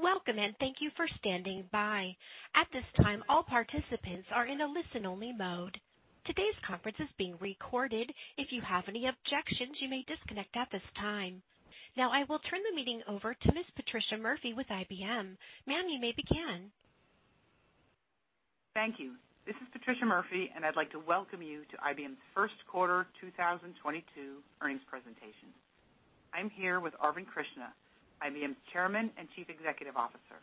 Welcome, and thank you for standing by. At this time, all participants are in a listen-only mode. Today's conference is being recorded. If you have any objections, you may disconnect at this time. Now, I will turn the meeting over to Ms. Patricia Murphy with IBM. Ma'am, you may begin. Thank you. This is Patricia Murphy, and I'd like to welcome you to IBM's first quarter 2022 earnings presentation. I'm here with Arvind Krishna, IBM's Chairman and Chief Executive Officer,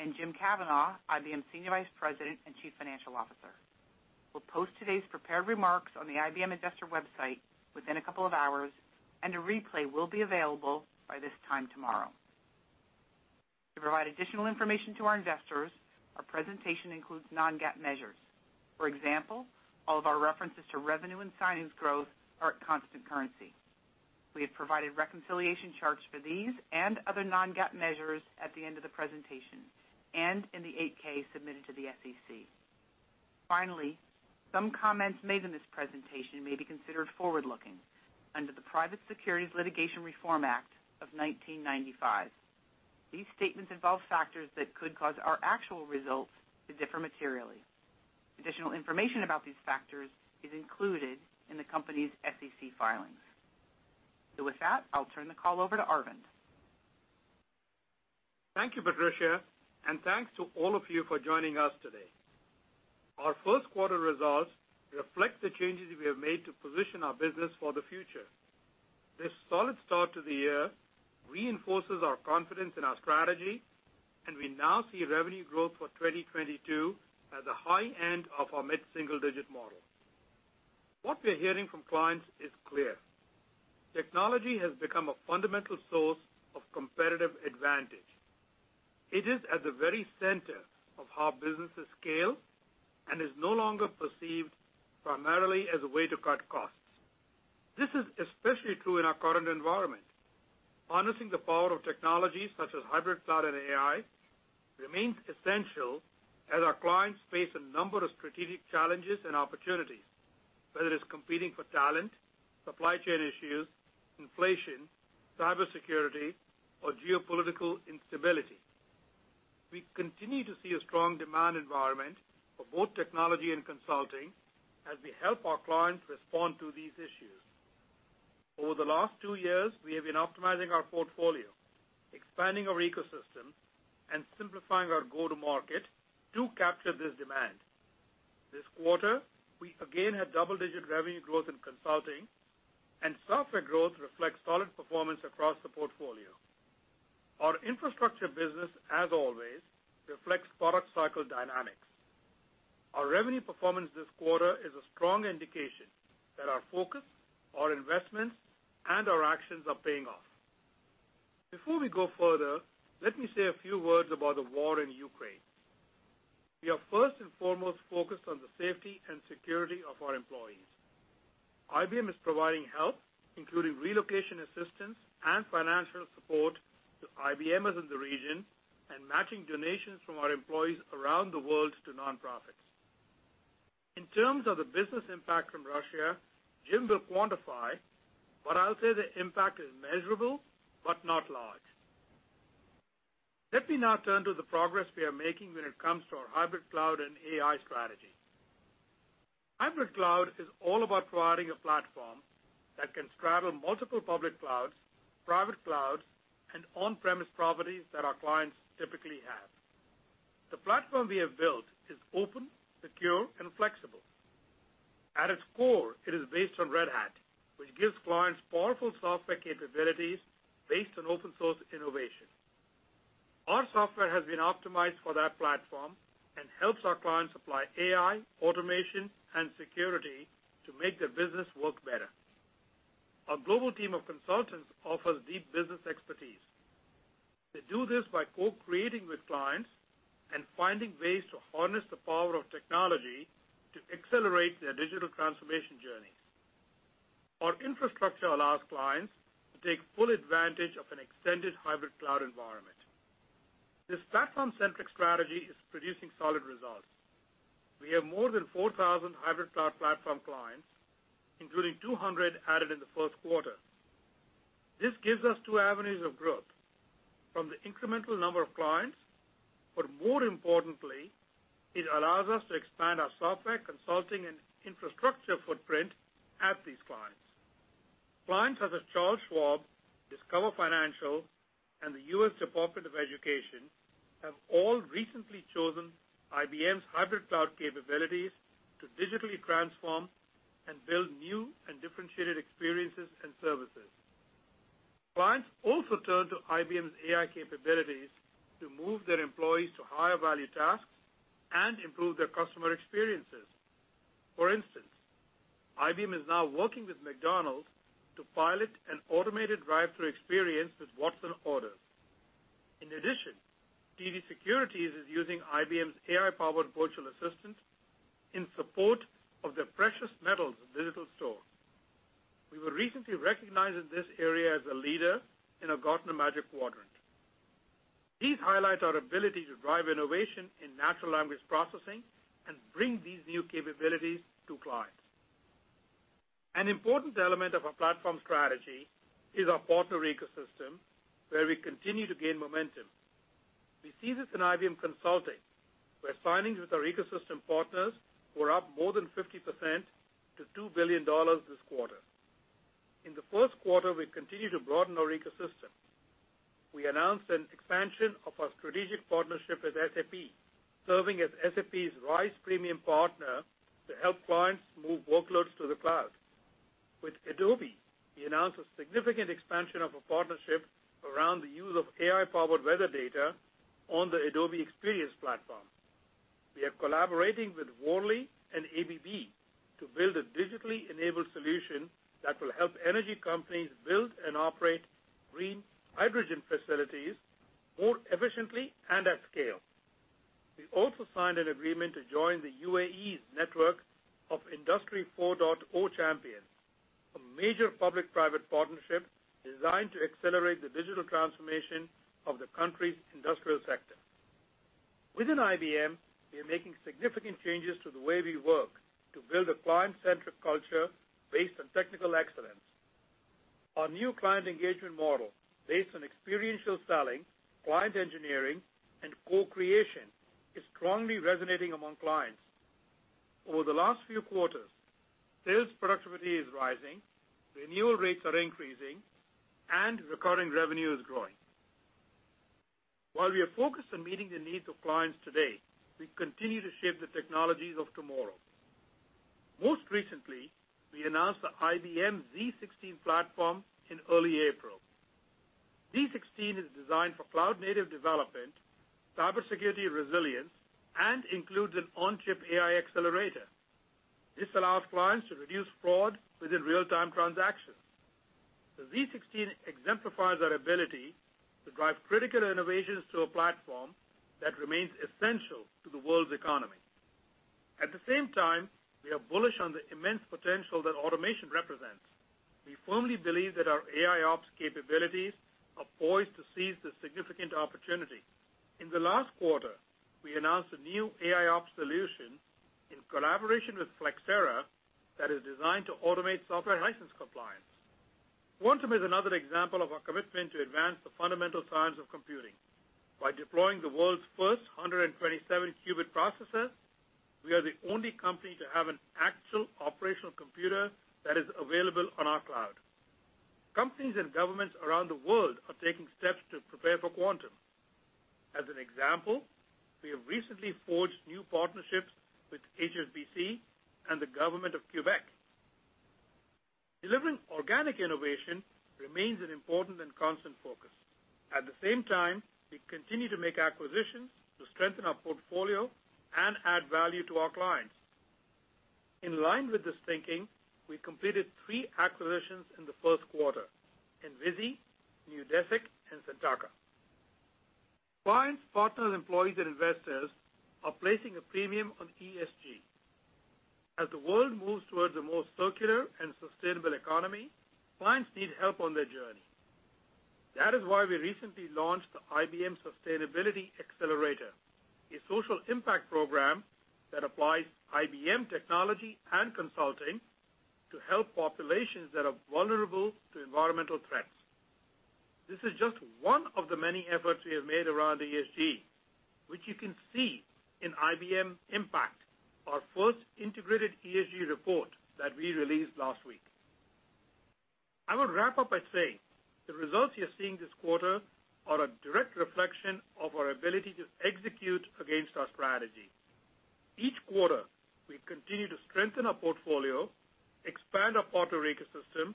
and Jim Kavanaugh, IBM's Senior Vice President and Chief Financial Officer. We'll post today's prepared remarks on the IBM investor website within a couple of hours, and a replay will be available by this time tomorrow. To provide additional information to our investors, our presentation includes Non-GAAP measures. For example, all of our references to revenue and signings growth are at constant currency. We have provided reconciliation charts for these and other non-GAAP measures at the end of the presentation and in the 8-K submitted to the SEC. Finally, some comments made in this presentation may be considered forward-looking under the Private Securities Litigation Reform Act of 1995. These statements involve factors that could cause our actual results to differ materially. Additional information about these factors is included in the company's SEC filings. With that, I'll turn the call over to Arvind. Thank you, Patricia, and thanks to all of you for joining us today. Our first quarter results reflect the changes we have made to position our business for the future. This solid start to the year reinforces our confidence in our strategy, and we now see revenue growth for 2022 at the high end of our mid-single-digit model. What we're hearing from clients is clear. Technology has become a fundamental source of competitive advantage. It is at the very center of how businesses scale and is no longer perceived primarily as a way to cut costs. This is especially true in our current environment. Harnessing the power of technologies such as hybrid cloud and AI remains essential as our clients face a number of strategic challenges and opportunities, whether it's competing for talent, supply chain issues, inflation, cybersecurity, or geopolitical instability. We continue to see a strong demand environment for both technology and consulting as we help our clients respond to these issues. Over the last two years, we have been optimizing our portfolio, expanding our ecosystem, and simplifying our go-to-market to capture this demand. This quarter, we again had double-digit revenue growth in consulting, and software growth reflects solid performance across the portfolio. Our infrastructure business, as always, reflects product cycle dynamics. Our revenue performance this quarter is a strong indication that our focus, our investments, and our actions are paying off. Before we go further, let me say a few words about the war in Ukraine. We are first and foremost focused on the safety and security of our employees. IBM is providing help, including relocation assistance and financial support to IBMers in the region and matching donations from our employees around the world to nonprofits. In terms of the business impact from Russia, Jim will quantify, but I'll say the impact is measurable but not large. Let me now turn to the progress we are making when it comes to our hybrid cloud and AI strategy. Hybrid cloud is all about providing a platform that can straddle multiple public clouds, private clouds, and on-premise properties that our clients typically have. The platform we have built is open, secure, and flexible. At its core, it is based on Red Hat, which gives clients powerful software capabilities based on open-source innovation. Our software has been optimized for that platform and helps our clients apply AI, automation, and security to make their business work better. Our global team of consultants offers deep business expertise. They do this by co-creating with clients and finding ways to harness the power of technology to accelerate their digital transformation journeys. Our infrastructure allows clients to take full advantage of an extended hybrid cloud environment. This platform-centric strategy is producing solid results. We have more than 4,000 hybrid cloud platform clients, including 200 added in the first quarter. This gives us two avenues of growth from the incremental number of clients, but more importantly, it allows us to expand our software consulting and infrastructure footprint at these clients. Clients such as Charles Schwab, Discover Financial, and the U.S. Department of Education have all recently chosen IBM's hybrid cloud capabilities to digitally transform and build new and differentiated experiences and services. Clients also turn to IBM's AI capabilities to move their employees to higher-value tasks and improve their customer experiences. For instance, IBM is now working with McDonald's to pilot an automated drive-thru experience with Watson Orders. In addition, TD Securities is using IBM's AI-powered virtual assistant in support of their precious metals digital store. We were recently recognized in this area as a leader in a Gartner Magic Quadrant. These highlight our ability to drive innovation in natural language processing and bring these new capabilities to clients. An important element of our platform strategy is our partner ecosystem, where we continue to gain momentum. We see this in IBM Consulting, where signings with our ecosystem partners were up more than 50% to $2 billion this quarter. In the first quarter, we continued to broaden our ecosystem. We announced an expansion of our strategic partnership with SAP, serving as SAP's RISE premium partner to help clients move workloads to the cloud. With Adobe, we announced a significant expansion of a partnership around the use of AI-powered weather data on the Adobe Experience Platform. We are collaborating with Worley and ABB to build a digitally enabled solution that will help energy companies build and operate green hydrogen facilities more efficiently and at scale. We also signed an agreement to join the UAE's Champions 4.0 Network, a major public-private partnership designed to accelerate the digital transformation of the country's industrial sector. Within IBM, we are making significant changes to the way we work to build a client-centric culture based on technical excellence. Our new client engagement model, based on experiential selling, client engineering, and co-creation, is strongly resonating among clients. Over the last few quarters, sales productivity is rising, renewal rates are increasing, and recurring revenue is growing. While we are focused on meeting the needs of clients today, we continue to shape the technologies of tomorrow. Most recently, we announced the IBM z16 platform in early April. z16 is designed for cloud-native development, cybersecurity resilience, and includes an on-chip AI accelerator. This allows clients to reduce fraud within real-time transactions. The z16 exemplifies our ability to drive critical innovations to a platform that remains essential to the world's economy. At the same time, we are bullish on the immense potential that automation represents. We firmly believe that our AIOps capabilities are poised to seize this significant opportunity. In the last quarter, we announced a new AIOps solution in collaboration with Flexera that is designed to automate software license compliance. Quantum is another example of our commitment to advance the fundamental science of computing. By deploying the world's first 127-qubit processor, we are the only company to have an actual operational computer that is available on our cloud. Companies and governments around the world are taking steps to prepare for quantum. As an example, we have recently forged new partnerships with HSBC and the government of Québec. Delivering organic innovation remains an important and constant focus. At the same time, we continue to make acquisitions to strengthen our portfolio and add value to our clients. In line with this thinking, we completed three acquisitions in the first quarter: Envizi, Neudesic, and Sentaca. Clients, partners, employees, and investors are placing a premium on ESG. As the world moves towards a more circular and sustainable economy, clients need help on their journey. That is why we recently launched the IBM Sustainability Accelerator, a social impact program that applies IBM technology and consulting to help populations that are vulnerable to environmental threats. This is just one of the many efforts we have made around ESG, which you can see in IBM Impact, our first integrated ESG report that we released last week. I will wrap up by saying the results you're seeing this quarter are a direct reflection of our ability to execute against our strategy. Each quarter, we continue to strengthen our portfolio, expand our partner ecosystem,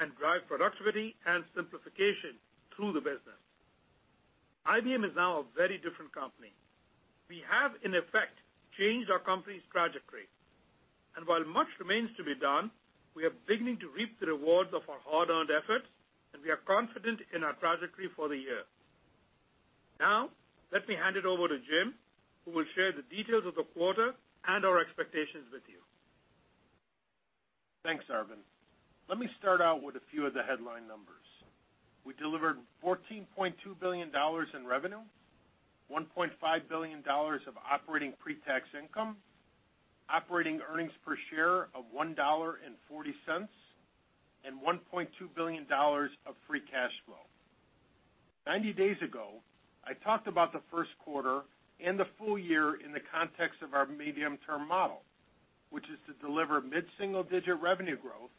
and drive productivity and simplification through the business. IBM is now a very different company. We have, in effect, changed our company's trajectory. While much remains to be done, we are beginning to reap the rewards of our hard-earned efforts, and we are confident in our trajectory for the year. Now, let me hand it over to Jim, who will share the details of the quarter and our expectations with you. Thanks, Arvind. Let me start out with a few of the headline numbers. We delivered $14.2 billion in revenue, $1.5 billion of operating pre-tax income, operating earnings per share of $1.40, and $1.2 billion of free cash flow. 90 days ago, I talked about the first quarter and the full year in the context of our medium-term model, which is to deliver mid-single-digit revenue growth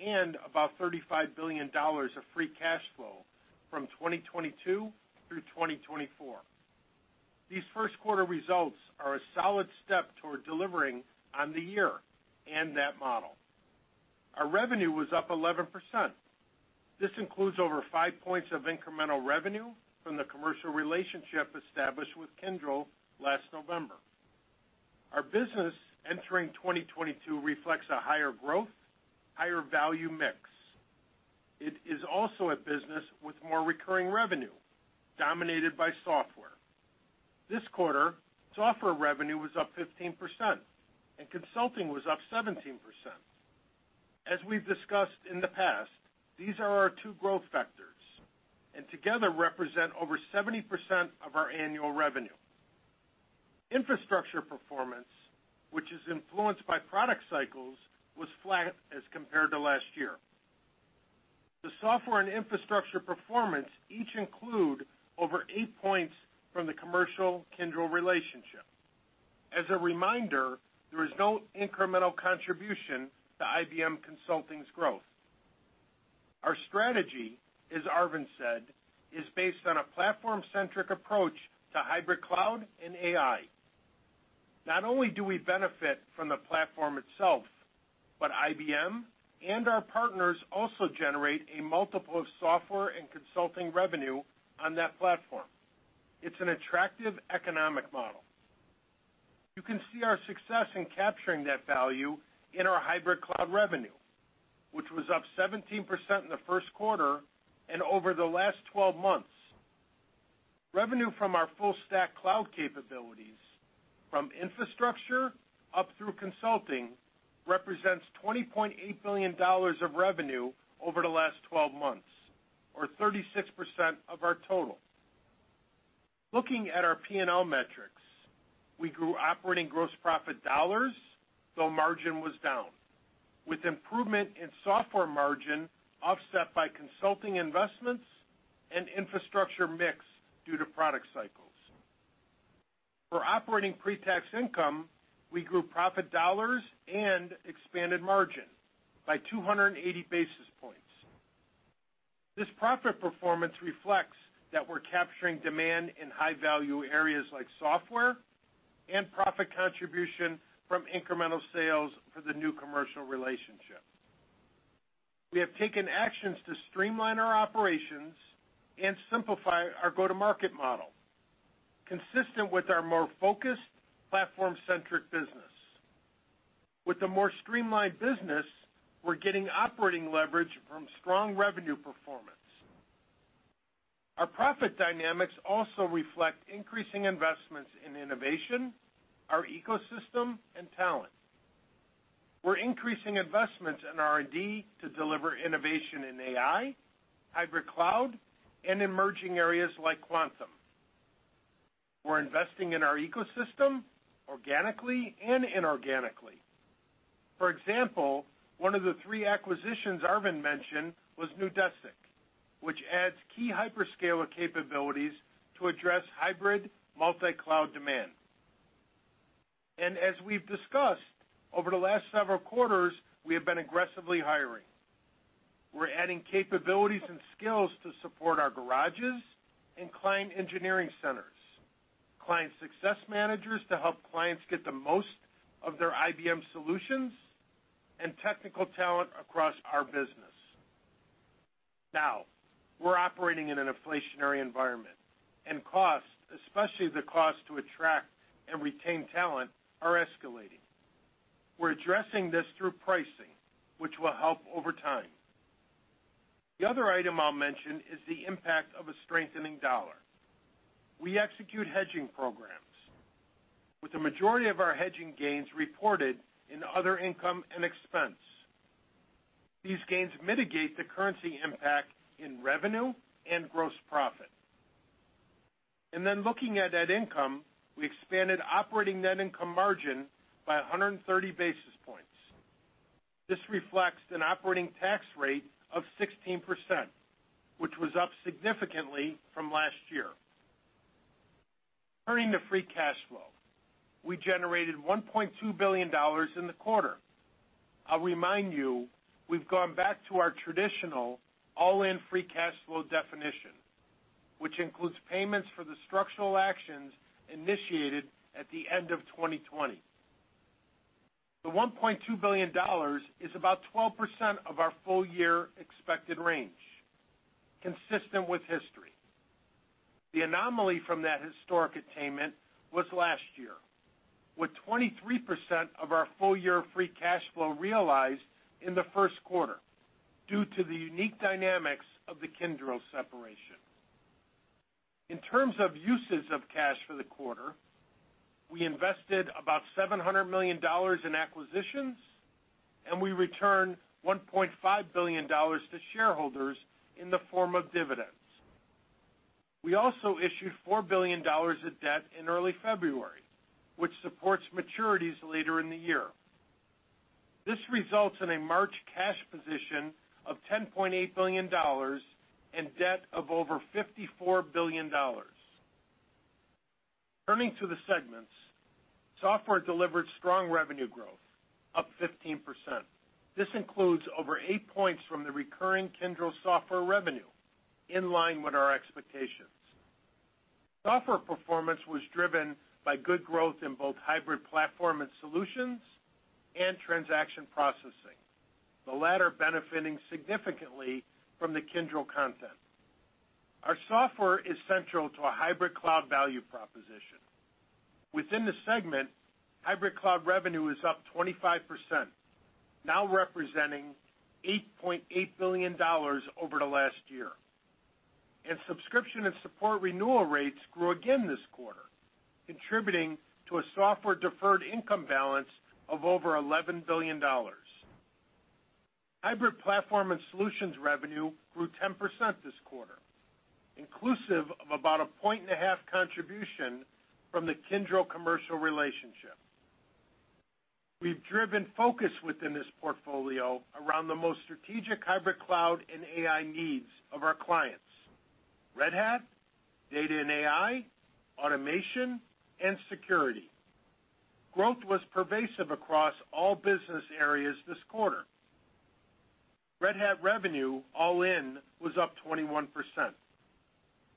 and about $35 billion of free cash flow from 2022 through 2024. These first quarter results are a solid step toward delivering on the year and that model. Our revenue was up 11%. This includes over five points of incremental revenue from the commercial relationship established with Kyndryl last November. Our business entering 2022 reflects a higher growth, higher value mix. It is also a business with more recurring revenue dominated by Software. This quarter, Software revenue was up 15%, and Consulting was up 17%. As we've discussed in the past, these are our two growth factors and together represent over 70% of our annual revenue. Infrastructure performance, which is influenced by product cycles, was flat as compared to last year. The Software and Infrastructure performance each include over eight points from the commercial Kyndryl relationship. As a reminder, there is no incremental contribution to IBM Consulting's growth. Our strategy, as Arvind said, is based on a platform-centric approach to hybrid cloud and AI. Not only do we benefit from the platform itself, but IBM and our partners also generate a multiple of Software and Consulting revenue on that platform. It's an attractive economic model. You can see our success in capturing that value in our hybrid cloud revenue, which was up 17% in the first quarter and over the last 12 months. Revenue from our full stack cloud capabilities from infrastructure up through consulting represents $20.8 billion of revenue over the last 12 months or 36% of our total. Looking at our P&L metrics, we grew operating gross profit dollars, though margin was down, with improvement in software margin offset by consulting investments and infrastructure mix due to product cycles. For operating pre-tax income, we grew profit dollars and expanded margin by 280 basis points. This profit performance reflects that we're capturing demand in high-value areas like software and profit contribution from incremental sales for the new commercial relationship. We have taken actions to streamline our operations and simplify our go-to-market model, consistent with our more focused platform-centric business. With the more streamlined business, we're getting operating leverage from strong revenue performance. Our profit dynamics also reflect increasing investments in innovation, our ecosystem, and talent. We're increasing investments in R&D to deliver innovation in AI, hybrid cloud, and emerging areas like quantum. We're investing in our ecosystem organically and inorganically. For example, one of the three acquisitions Arvind mentioned was Neudesic, which adds key hyperscaler capabilities to address hybrid multi-cloud demand. As we've discussed over the last several quarters, we have been aggressively hiring. We're adding capabilities and skills to support our garages and client engineering centers, client success managers to help clients get the most out of their IBM solutions, and technical talent across our business. Now, we're operating in an inflationary environment, and costs, especially the cost to attract and retain talent, are escalating. We're addressing this through pricing, which will help over time. The other item I'll mention is the impact of a strengthening dollar. We execute hedging programs, with the majority of our hedging gains reported in other income and expense. These gains mitigate the currency impact in revenue and gross profit. Looking at net income, we expanded operating net income margin by 130 basis points. This reflects an operating tax rate of 16%, which was up significantly from last year. Turning to free cash flow, we generated $1.2 billion in the quarter. I'll remind you, we've gone back to our traditional all-in free cash flow definition, which includes payments for the structural actions initiated at the end of 2020. The $1.2 billion is about 12% of our full year expected range, consistent with history. The anomaly from that historic attainment was last year, with 23% of our full year free cash flow realized in the first quarter due to the unique dynamics of the Kyndryl separation. In terms of uses of cash for the quarter, we invested about $700 million in acquisitions, and we returned $1.5 billion to shareholders in the form of dividends. We also issued $4 billion of debt in early February, which supports maturities later in the year. This results in a March cash position of $10.8 billion and debt of over $54 billion. Turning to the segments, Software delivered strong revenue growth, up 15%. This includes over eight points from the recurring Kyndryl software revenue, in line with our expectations. Software performance was driven by good growth in both hybrid platform and solutions and transaction processing, the latter benefiting significantly from the Kyndryl content. Our software is central to a hybrid cloud value proposition. Within the segment, hybrid cloud revenue is up 25%, now representing $8.8 billion over the last year. Subscription and support renewal rates grew again this quarter, contributing to a software deferred income balance of over $11 billion. Hybrid platform and solutions revenue grew 10% this quarter, inclusive of about 1.5 points contribution from the Kyndryl commercial relationship. We've driven focus within this portfolio around the most strategic hybrid cloud and AI needs of our clients: Red Hat, data and AI, automation, and security. Growth was pervasive across all business areas this quarter. Red Hat revenue all in was up 21%.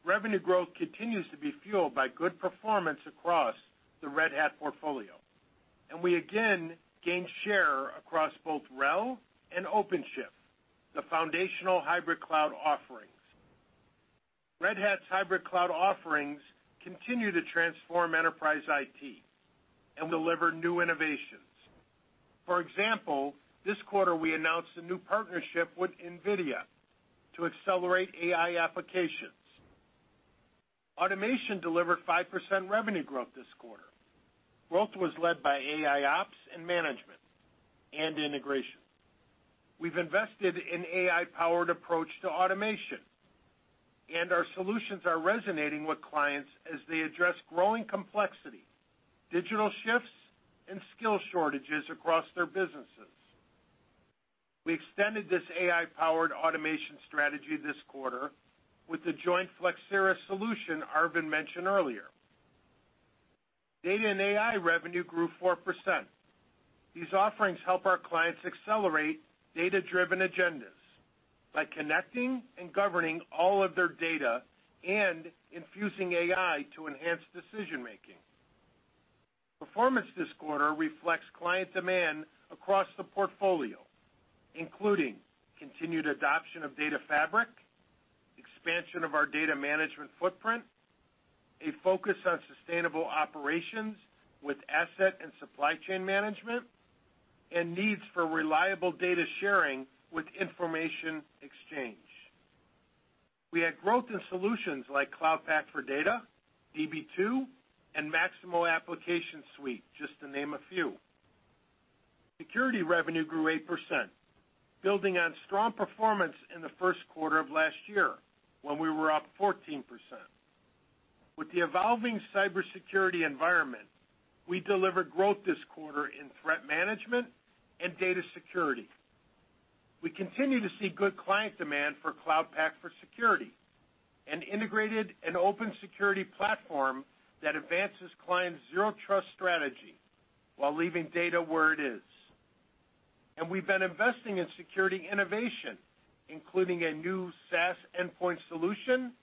Revenue growth continues to be fueled by good performance across the Red Hat portfolio, and we again gained share across both RHEL and OpenShift, the foundational hybrid cloud offerings. Red Hat's hybrid cloud offerings continue to transform enterprise IT and deliver new innovations. For example, this quarter, we announced a new partnership with NVIDIA to accelerate AI applications. Automation delivered 5% revenue growth this quarter. Growth was led by AIOps and management and integration. We've invested in AI-powered approach to automation, and our solutions are resonating with clients as they address growing complexity, digital shifts, and skill shortages across their businesses. We extended this AI-powered automation strategy this quarter with the joint Flexera solution Arvind mentioned earlier. Data and AI revenue grew 4%. These offerings help our clients accelerate data-driven agendas by connecting and governing all of their data and infusing AI to enhance decision-making. Performance this quarter reflects client demand across the portfolio, including continued adoption of data fabric, expansion of our data management footprint, a focus on sustainable operations with asset and supply chain management, and needs for reliable data sharing with information exchange. We had growth in solutions like Cloud Pak for Data, Db2, and Maximo Application Suite, just to name a few. Security revenue grew 8%, building on strong performance in the first quarter of last year when we were up 14%. With the evolving cybersecurity environment, we delivered growth this quarter in threat management and data security. We continue to see good client demand for Cloud Pak for Security, an integrated and open security platform that advances clients' zero trust strategy while leaving data where it is. We've been investing in security innovation, including a new SaaS endpoint solution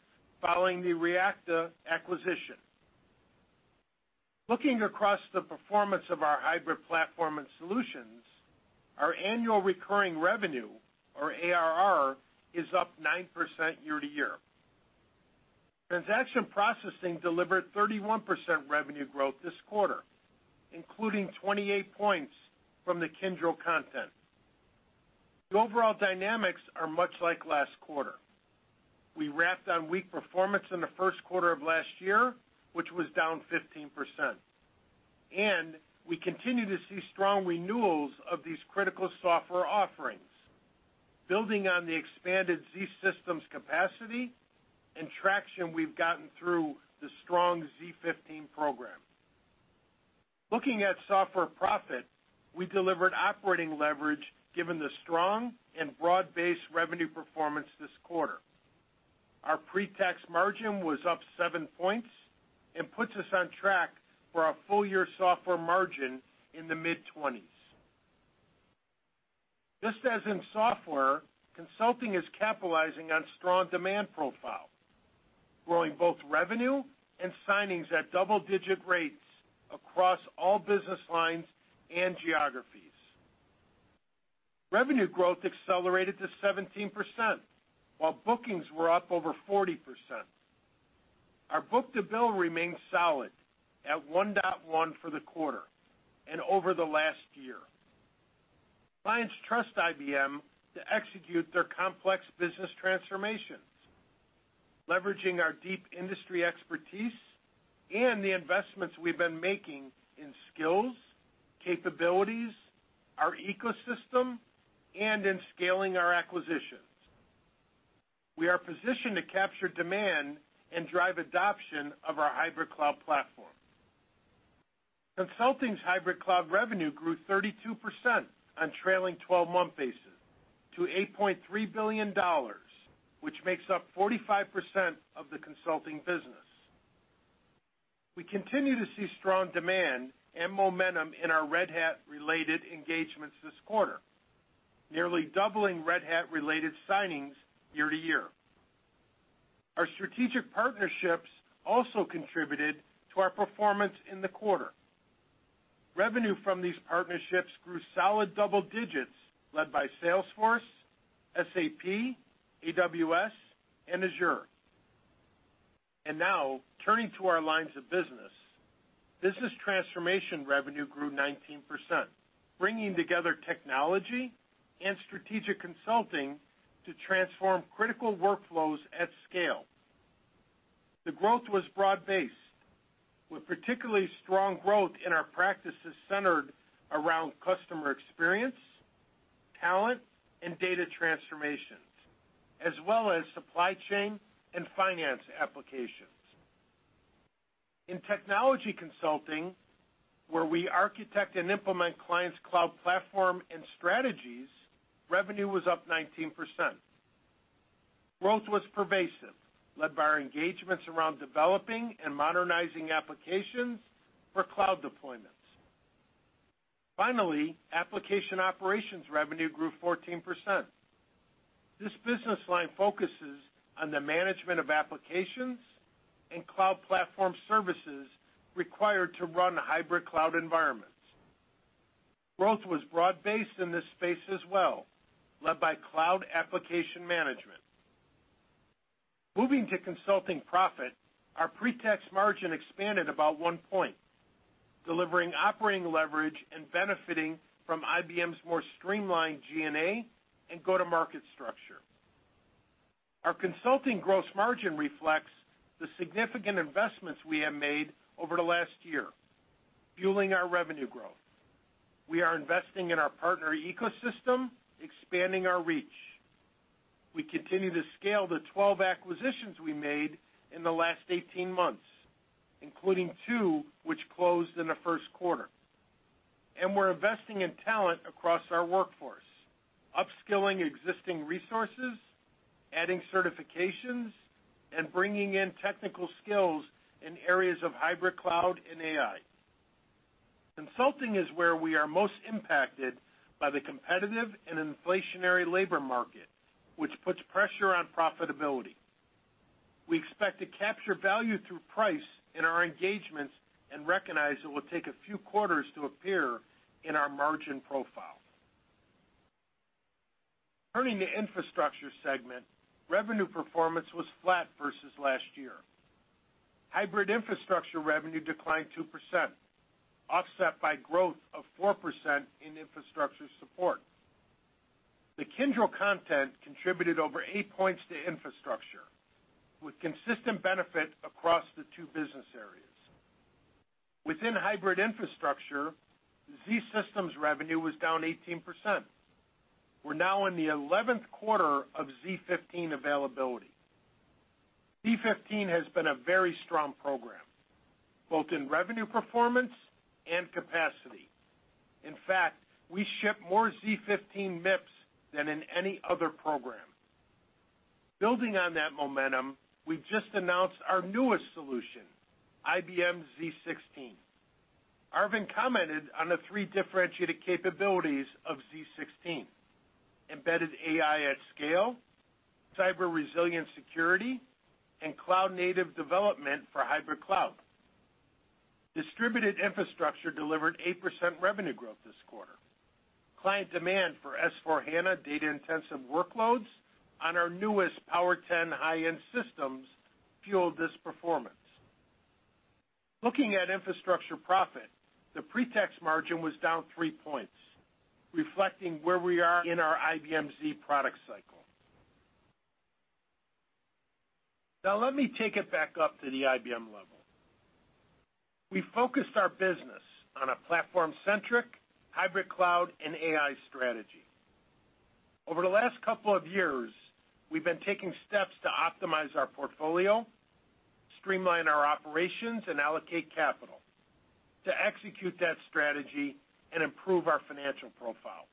following the ReaQta acquisition. Looking across the performance of our hybrid platform and solutions, our annual recurring revenue, or ARR, is up 9% year-over-year. Transaction processing delivered 31% revenue growth this quarter, including 28 points from the Kyndryl content. The overall dynamics are much like last quarter. We lapped on weak performance in the first quarter of last year, which was down 15%, and we continue to see strong renewals of these critical software offerings, building on the expanded IBM Z capacity and traction we've gotten through the strong z15 program. Looking at software profit, we delivered operating leverage given the strong and broad-based revenue performance this quarter. Our pre-tax margin was up seven points and puts us on track for a full year software margin in the mid-20s. Just as in software, consulting is capitalizing on strong demand profile, growing both revenue and signings at double-digit rates across all business lines and geographies. Revenue growth accelerated to 17%, while bookings were up over 40%. Our book-to-bill remains solid at 1.1 for the quarter and over the last year. Clients trust IBM to execute their complex business transformations, leveraging our deep industry expertise and the investments we've been making in skills, capabilities, our ecosystem, and in scaling our acquisitions. We are positioned to capture demand and drive adoption of our hybrid cloud platform. Consulting's hybrid cloud revenue grew 32% on a trailing twelve-month basis to $8.3 billion, which makes up 45% of the consulting business. We continue to see strong demand and momentum in our Red Hat-related engagements this quarter, nearly doubling Red Hat-related signings year-over-year. Our strategic partnerships also contributed to our performance in the quarter. Revenue from these partnerships grew solid double digits, led by Salesforce, SAP, AWS, and Azure. Now turning to our lines of business. Business transformation revenue grew 19%, bringing together technology and strategic consulting to transform critical workflows at scale. The growth was broad-based, with particularly strong growth in our practices centered around customer experience, talent, and data transformation, as well as supply chain and finance applications. In technology consulting, where we architect and implement clients' cloud platform and strategies, revenue was up 19%. Growth was pervasive, led by our engagements around developing and modernizing applications for cloud deployments. Finally, application operations revenue grew 14%. This business line focuses on the management of applications and cloud platform services required to run hybrid cloud environments. Growth was broad-based in this space as well, led by cloud application management. Moving to consulting profit, our pre-tax margin expanded about 1 point, delivering operating leverage and benefiting from IBM's more streamlined G&A and go-to-market structure. Our consulting gross margin reflects the significant investments we have made over the last year, fueling our revenue growth. We are investing in our partner ecosystem, expanding our reach. We continue to scale the 12 acquisitions we made in the last 18 months, including two which closed in the first quarter. We're investing in talent across our workforce, upskilling existing resources, adding certifications, and bringing in technical skills in areas of hybrid cloud and AI. Consulting is where we are most impacted by the competitive and inflationary labor market, which puts pressure on profitability. We expect to capture value through price in our engagements and recognize it will take a few quarters to appear in our margin profile. Turning to infrastructure segment, revenue performance was flat versus last year. Hybrid infrastructure revenue declined 2%, offset by growth of 4% in infrastructure support. The Kyndryl content contributed over 8 points to infrastructure, with consistent benefit across the two business areas. Within hybrid infrastructure, IBM Z revenue was down 18%. We're now in the 11th quarter of z15 availability. z15 has been a very strong program, both in revenue performance and capacity. In fact, we ship more z15 MIPS than in any other program. Building on that momentum, we've just announced our newest solution, IBM z16. Arvind commented on the three differentiated capabilities of z16, embedded AI at scale, cyber resilient security, and cloud-native development for hybrid cloud. Distributed infrastructure delivered 8% revenue growth this quarter. Client demand for S/4HANA data-intensive workloads on our newest Power10 high-end systems fueled this performance. Looking at infrastructure profit, the pre-tax margin was down 3 points, reflecting where we are in our IBM Z product cycle. Now let me take it back up to the IBM level. We focused our business on a platform-centric hybrid cloud and AI strategy. Over the last couple of years, we've been taking steps to optimize our portfolio, streamline our operations, and allocate capital to execute that strategy and improve our financial profile.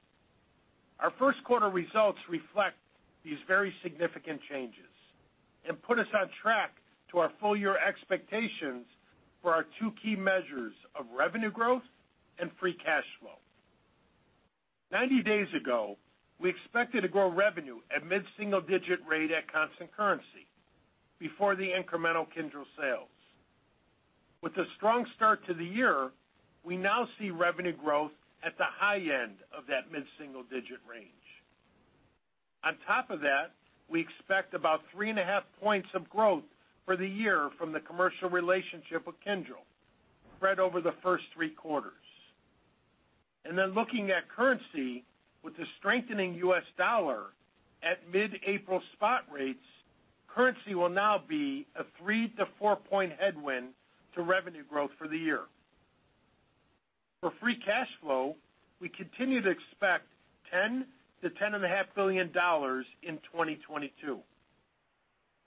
Our first-quarter results reflect these very significant changes and put us on track to our full-year expectations for our two key measures of revenue growth and free cash flow. 90 days ago, we expected to grow revenue at mid-single-digit rate at constant currency before the incremental Kyndryl sales. With the strong start to the year, we now see revenue growth at the high end of that mid-single-digit range. On top of that, we expect about 3.5 points of growth for the year from the commercial relationship with Kyndryl spread over the first three quarters. Looking at currency, with the strengthening U.S. dollar at mid-April spot rates, currency will now be a three-to-four-point headwind to revenue growth for the year. For free cash flow, we continue to expect $10 billion-$10.5 billion in 2022.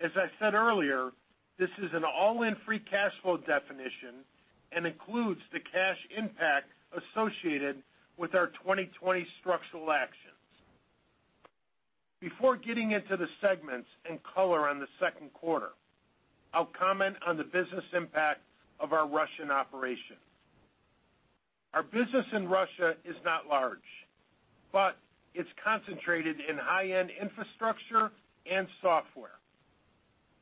As I said earlier, this is an all-in free cash flow definition and includes the cash impact associated with our 2020 structural actions. Before getting into the segments and color on the second quarter, I'll comment on the business impact of our Russian operations. Our business in Russia is not large, but it's concentrated in high-end infrastructure and software.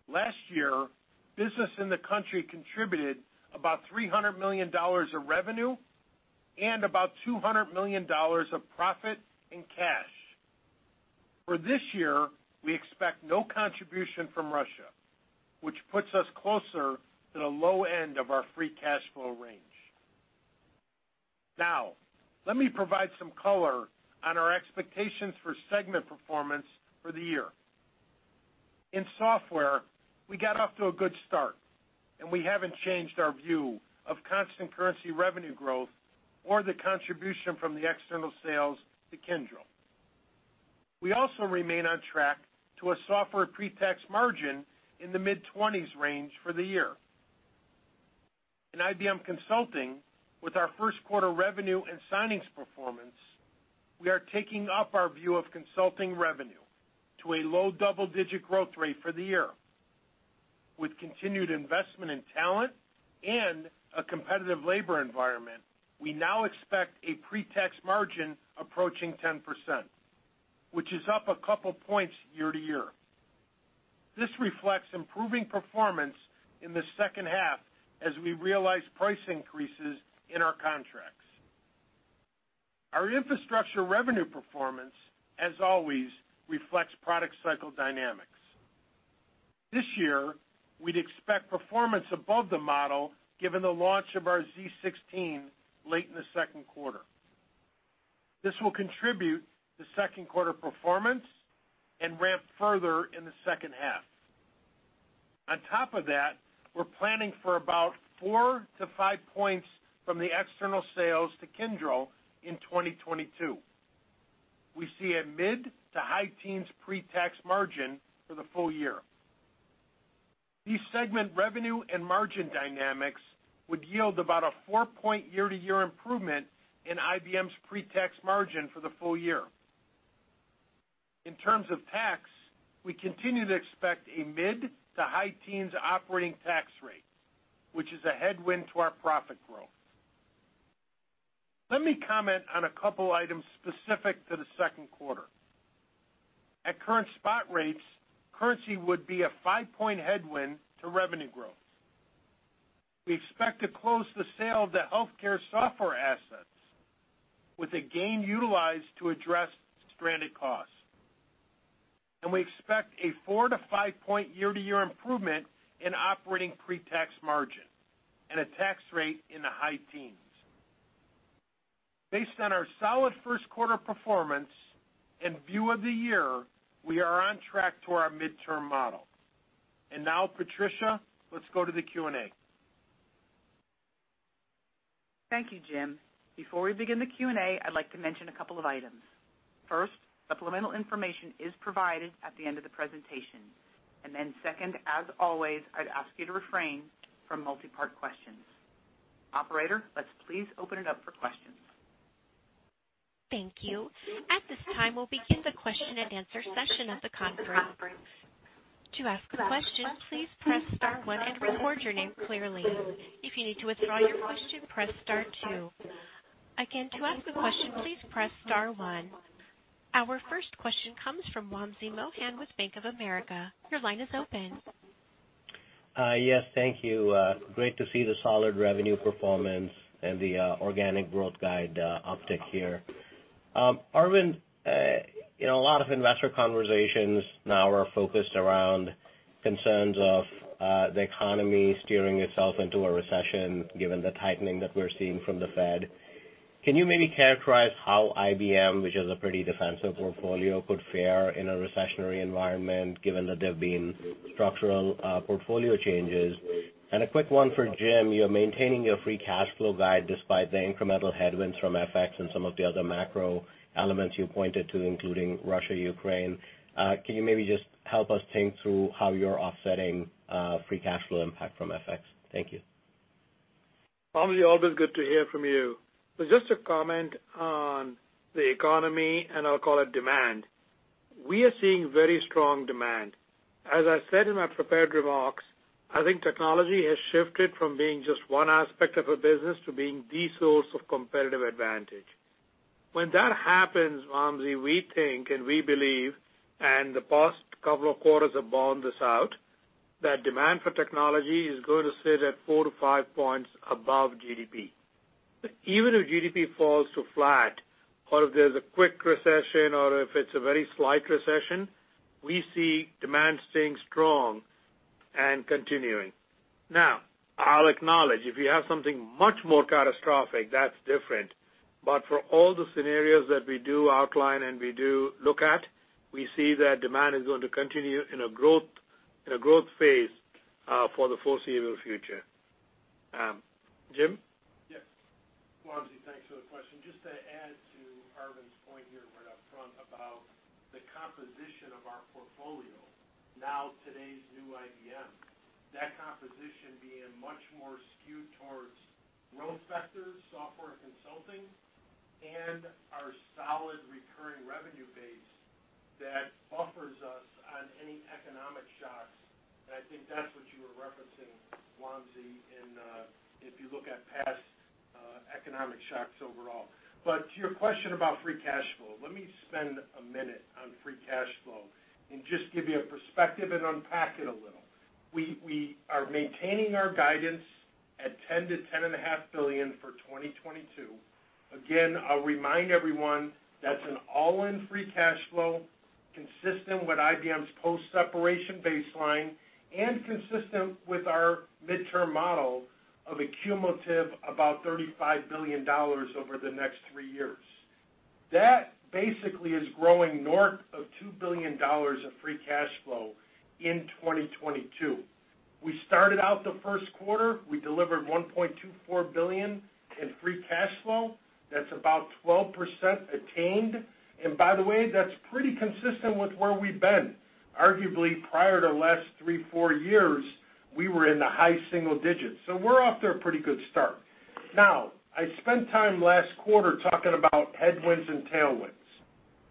Last year, business in the country contributed about $300 million of revenue and about $200 million of profit in cash. For this year, we expect no contribution from Russia, which puts us closer to the low end of our free cash flow range. Now, let me provide some color on our expectations for segment performance for the year. In software, we got off to a good start, and we haven't changed our view of constant currency revenue growth or the contribution from the external sales to Kyndryl. We also remain on track to a software pre-tax margin in the mid-20s% range for the year. In IBM Consulting, with our first quarter revenue and signings performance, we are taking up our view of consulting revenue to a low double-digit growth rate for the year. With continued investment in talent and a competitive labor environment, we now expect a pre-tax margin approaching 10%, which is up a couple points year-over-year. This reflects improving performance in the second half as we realize price increases in our contracts. Our infrastructure revenue performance, as always, reflects product cycle dynamics. This year, we'd expect performance above the model given the launch of our z16 late in the second quarter. This will contribute to second quarter performance and ramp further in the second half. On top of that, we're planning for about four to five points from the external sales to Kyndryl in 2022. We see a mid- to high-teens pre-tax margin for the full year. These segment revenue and margin dynamics would yield about a four-point year-to-year improvement in IBM's pre-tax margin for the full year. In terms of tax, we continue to expect a mid- to high-teens operating tax rate, which is a headwind to our profit growth. Let me comment on a couple items specific to the second quarter. At current spot rates, currency would be a five-point headwind to revenue growth. We expect to close the sale of the healthcare software assets with a gain utilized to address stranded costs. We expect a four-to-five-point year-to-year improvement in operating pre-tax margin and a tax rate in the high teens. Based on our solid first quarter performance and view of the year, we are on track to our midterm model. Now, Patricia, let's go to the Q&A. Thank you, Jim. Before we begin the Q&A, I'd like to mention a couple of items. First, supplemental information is provided at the end of the presentation. Second, as always, I'd ask you to refrain from multi-part questions. Operator, let's please open it up for questions. Thank you. At this time, we'll begin the question and answer session of the conference. To ask a question, please press star one and record your name clearly. If you need to withdraw your question, press star two. Again, to ask a question, please press star one. Our first question comes from Wamsi Mohan with Bank of America. Your line is open. Yes, thank you. Great to see the solid revenue performance and the organic growth guide uptick here. Arvind, you know, a lot of investor conversations now are focused around concerns of the economy steering itself into a recession given the tightening that we're seeing from the Fed. Can you maybe characterize how IBM, which is a pretty defensive portfolio, could fare in a recessionary environment given that there have been structural portfolio changes? A quick one for Jim, you're maintaining your free cash flow guide despite the incremental headwinds from FX and some of the other macro elements you pointed to, including Russia, Ukraine. Can you maybe just help us think through how you're offsetting free cash flow impact from FX? Thank you. Vamsi, always good to hear from you. Just a comment on the economy, and I'll call it demand. We are seeing very strong demand. As I said in my prepared remarks, I think technology has shifted from being just one aspect of a business to being the source of competitive advantage. When that happens, Wamsi, we think and we believe, and the past couple of quarters have borne this out, that demand for technology is going to sit at four to five points above GDP. Even if GDP falls to flat or if there's a quick recession or if it's a very slight recession, we see demand staying strong and continuing. Now, I'll acknowledge, if you have something much more catastrophic, that's different. For all the scenarios that we do outline and we do look at, we see that demand is going to continue in a growth phase for the foreseeable future. Jim? Yes. Wamsi, thanks for the question. Just to add to Arvind's point here right up front about the composition of our portfolio, now today's new IBM, that composition being much more skewed towards growth sectors, software consulting, and our solid recurring revenue base that buffers us on any economic shocks. I think that's what you were referencing, Wamsi, if you look at past economic shocks overall. To your question about free cash flow, let me spend a minute on free cash flow and just give you a perspective and unpack it a little. We are maintaining our guidance at $10 billion-$10.5 billion for 2022. Again, I'll remind everyone that's an all-in free cash flow. Consistent with IBM's post-separation baseline and consistent with our midterm model of a cumulative about $35 billion over the next three years. That basically is growing north of $2 billion of free cash flow in 2022. We started out the first quarter, we delivered $1.24 billion in free cash flow. That's about 12% attained. By the way, that's pretty consistent with where we've been. Arguably, prior to the last three to four years, we were in the high single digits, so we're off to a pretty good start. Now, I spent time last quarter talking about headwinds and tailwinds.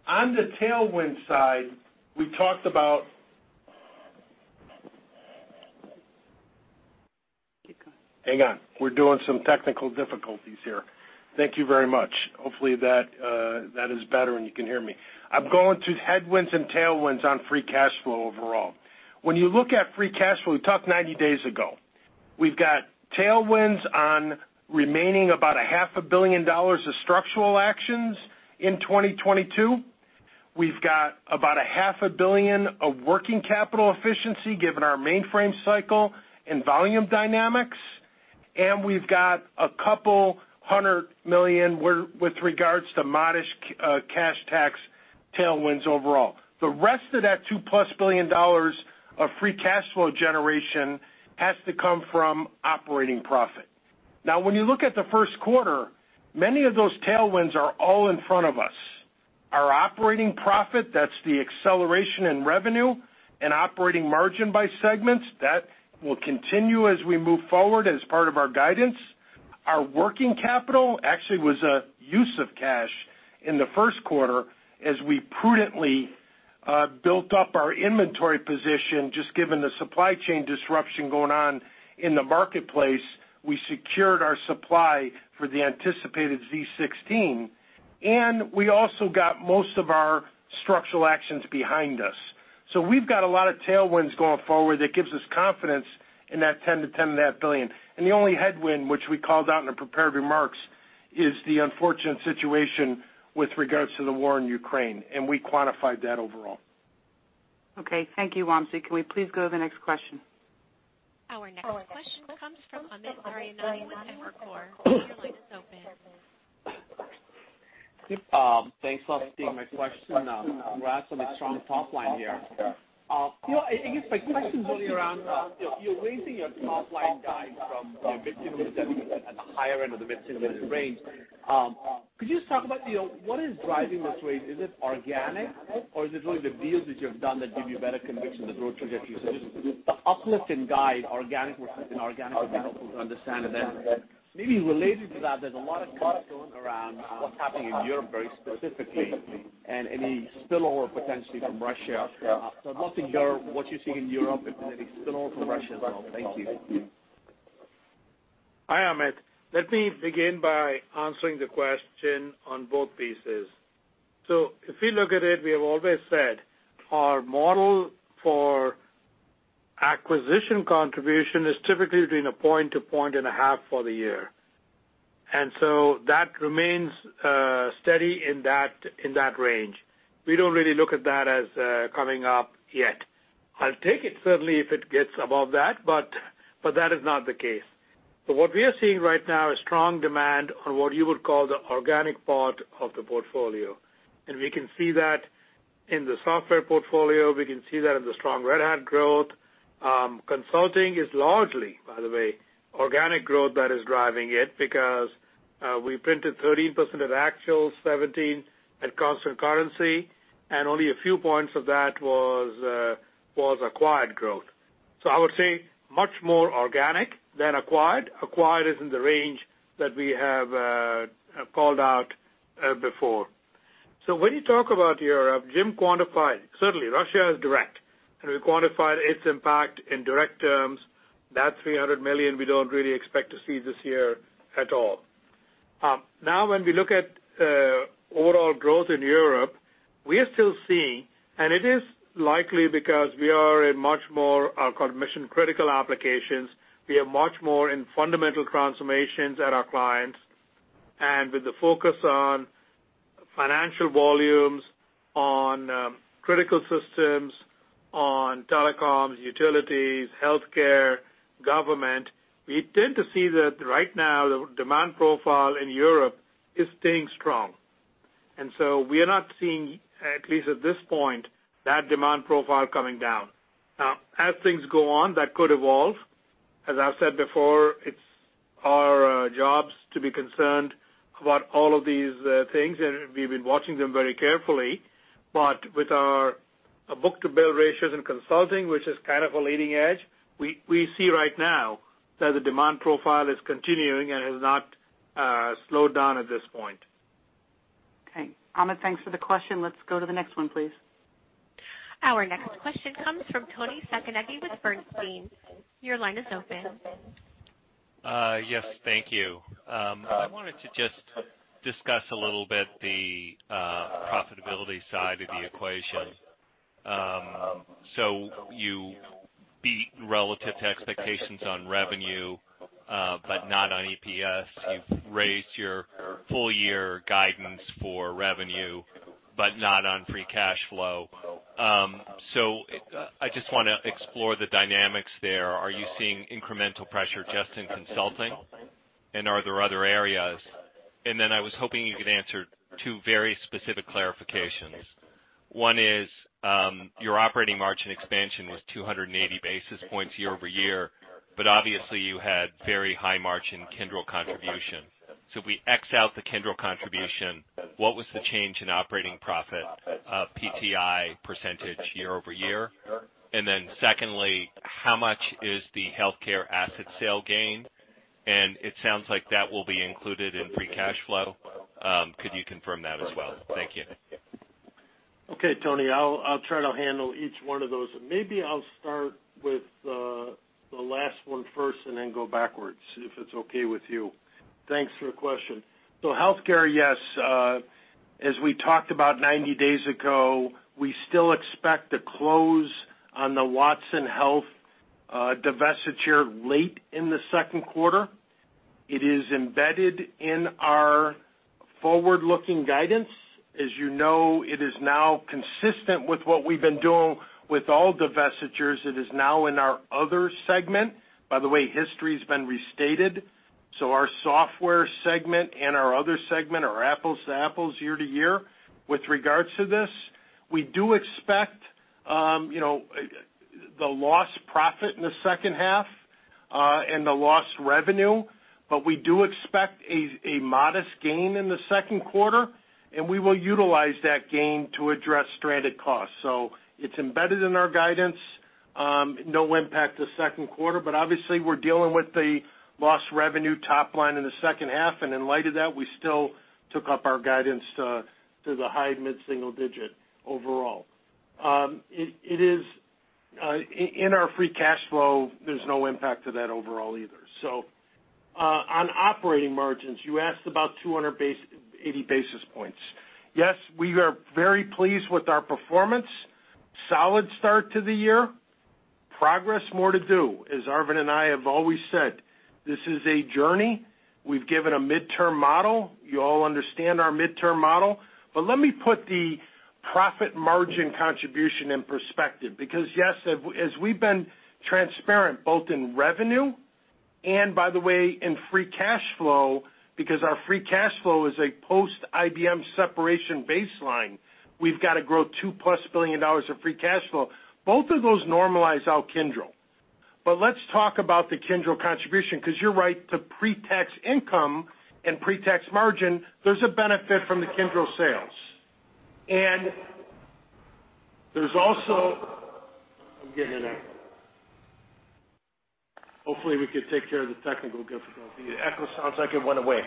On the tailwind side, we talked about Keep going. Hang on. We're having some technical difficulties here. Thank you very much. Hopefully, that is better, and you can hear me. Turning to headwinds and tailwinds on free cash flow overall. When you look at free cash flow, we talked 90 days ago. We've got tailwinds on remaining about a half a billion dollars of structural actions in 2022. We've got about a half a billion of working capital efficiency given our mainframe cycle and volume dynamics, and we've got 200 million with regards to modest cash tax tailwinds overall. The rest of that $2+ billion of free cash flow generation has to come from operating profit. When you look at the first quarter, many of those tailwinds are all in front of us. Our operating profit, that's the acceleration in revenue and operating margin by segments, that will continue as we move forward as part of our guidance. Our working capital actually was a use of cash in the first quarter as we prudently built up our inventory position just given the supply chain disruption going on in the marketplace. We secured our supply for the anticipated z16, and we also got most of our structural actions behind us. We've got a lot of tailwinds going forward that gives us confidence in that $10 billion-$10.5 billion. The only headwind, which we called out in the prepared remarks, is the unfortunate situation with regards to the war in Ukraine, and we quantified that overall. Okay, thank you, Wamsi. Can we please go to the next question? Our next question comes from Amit Daryanani with Evercore. Your line is open. Thanks for taking my question. Congrats on the strong top line here. You know, I guess my question's really around, you're raising your top line guide from the mid-single digits at the higher end of the mid-single digit range. Could you just talk about, you know, what is driving this rate? Is it organic, or is it really the deals that you have done that give you better conviction, the growth trajectory? So just the uplift in guide, organic versus inorganics would be helpful to understand. Then maybe related to that, there's a lot of talk going around, what's happening in Europe very specifically and any spillover potentially from Russia. So I'd love to hear what you see in Europe and any spillover from Russia as well. Thank you. Hi, Amit. Let me begin by answering the question on both pieces. If we look at it, we have always said our model for acquisition contribution is typically between a point to point and a half for the year. That remains steady in that range. We don't really look at that as coming up yet. I'll take it certainly if it gets above that, but that is not the case. What we are seeing right now is strong demand on what you would call the organic part of the portfolio. We can see that in the software portfolio. We can see that in the strong Red Hat growth. Consulting is largely, by the way, organic growth that is driving it because we printed 13% actual 17 at constant currency, and only a few points of that was acquired growth. I would say much more organic than acquired. Acquired is in the range that we have called out before. When you talk about Europe, Jim quantified, certainly Russia is direct, and we quantified its impact in direct terms. That $300 million we don't really expect to see this year at all. Now when we look at overall growth in Europe, we are still seeing, and it is likely because we are in much more so-called mission-critical applications. We are much more in fundamental transformations at our clients. With the focus on financial volumes, on critical systems, on telecoms, utilities, healthcare, government, we tend to see that right now, the demand profile in Europe is staying strong. We are not seeing, at least at this point, that demand profile coming down. Now, as things go on, that could evolve. As I've said before, it's our jobs to be concerned about all of these things, and we've been watching them very carefully. With our book-to-bill ratios in consulting, which is kind of a leading edge, we see right now that the demand profile is continuing and has not slowed down at this point. Okay. Amit, thanks for the question. Let's go to the next one, please. Our next question comes from Toni Sacconaghi with Bernstein. Your line is open. Yes, thank you. I wanted to just discuss a little bit the profitability side of the equation. So you beat relative to expectations on revenue, but not on EPS. You've raised your full-year guidance for revenue, but not on free cash flow. So I just wanna explore the dynamics there. Are you seeing incremental pressure just in consulting? And are there other areas? And then I was hoping you could answer two very specific clarifications. One is, your operating margin expansion was 280 basis points year-over-year, but obviously, you had very high margin Kyndryl contribution. So if we x out the Kyndryl contribution, what was the change in operating profit of PTI percentage year-over-year? And then secondly, how much is the healthcare asset sale gain? It sounds like that will be included in free cash flow. Could you confirm that as well? Thank you. Okay, Tony. I'll try to handle each one of those. Maybe I'll start with the last one first and then go backwards, if it's okay with you. Thanks for the question. Healthcare, yes, as we talked about 90 days ago, we still expect to close on the Watson Health divestiture late in the second quarter. It is embedded in our forward-looking guidance. As you know, it is now consistent with what we've been doing with all divestitures. It is now in our other segment. By the way, history's been restated, so our software segment and our other segment are apples to apples year to year with regards to this. We do expect, you know, the lost profit in the second half and the lost revenue, but we do expect a modest gain in the second quarter, and we will utilize that gain to address stranded costs. It's embedded in our guidance, no impact to second quarter, but obviously we're dealing with the lost revenue top line in the second half, and in light of that, we still took up our guidance to the high mid-single digit overall. It is in our free cash flow, there's no impact to that overall either. On operating margins, you asked about eighty basis points. Yes, we are very pleased with our performance. Solid start to the year. Progress, more to do, as Arvind and I have always said. This is a journey. We've given a midterm model. You all understand our midterm model. Let me put the profit margin contribution in perspective because yes, as we've been transparent, both in revenue and by the way, in free cash flow, because our free cash flow is a post-IBM separation baseline, we've got to grow $2+ billion of free cash flow. Both of those normalize out Kyndryl. Let's talk about the Kyndryl contribution because you're right, to pre-tax income and pre-tax margin, there's a benefit from the Kyndryl sales. I'm getting an echo. Hopefully, we can take care of the technical difficulty. The echo sounds like it went away.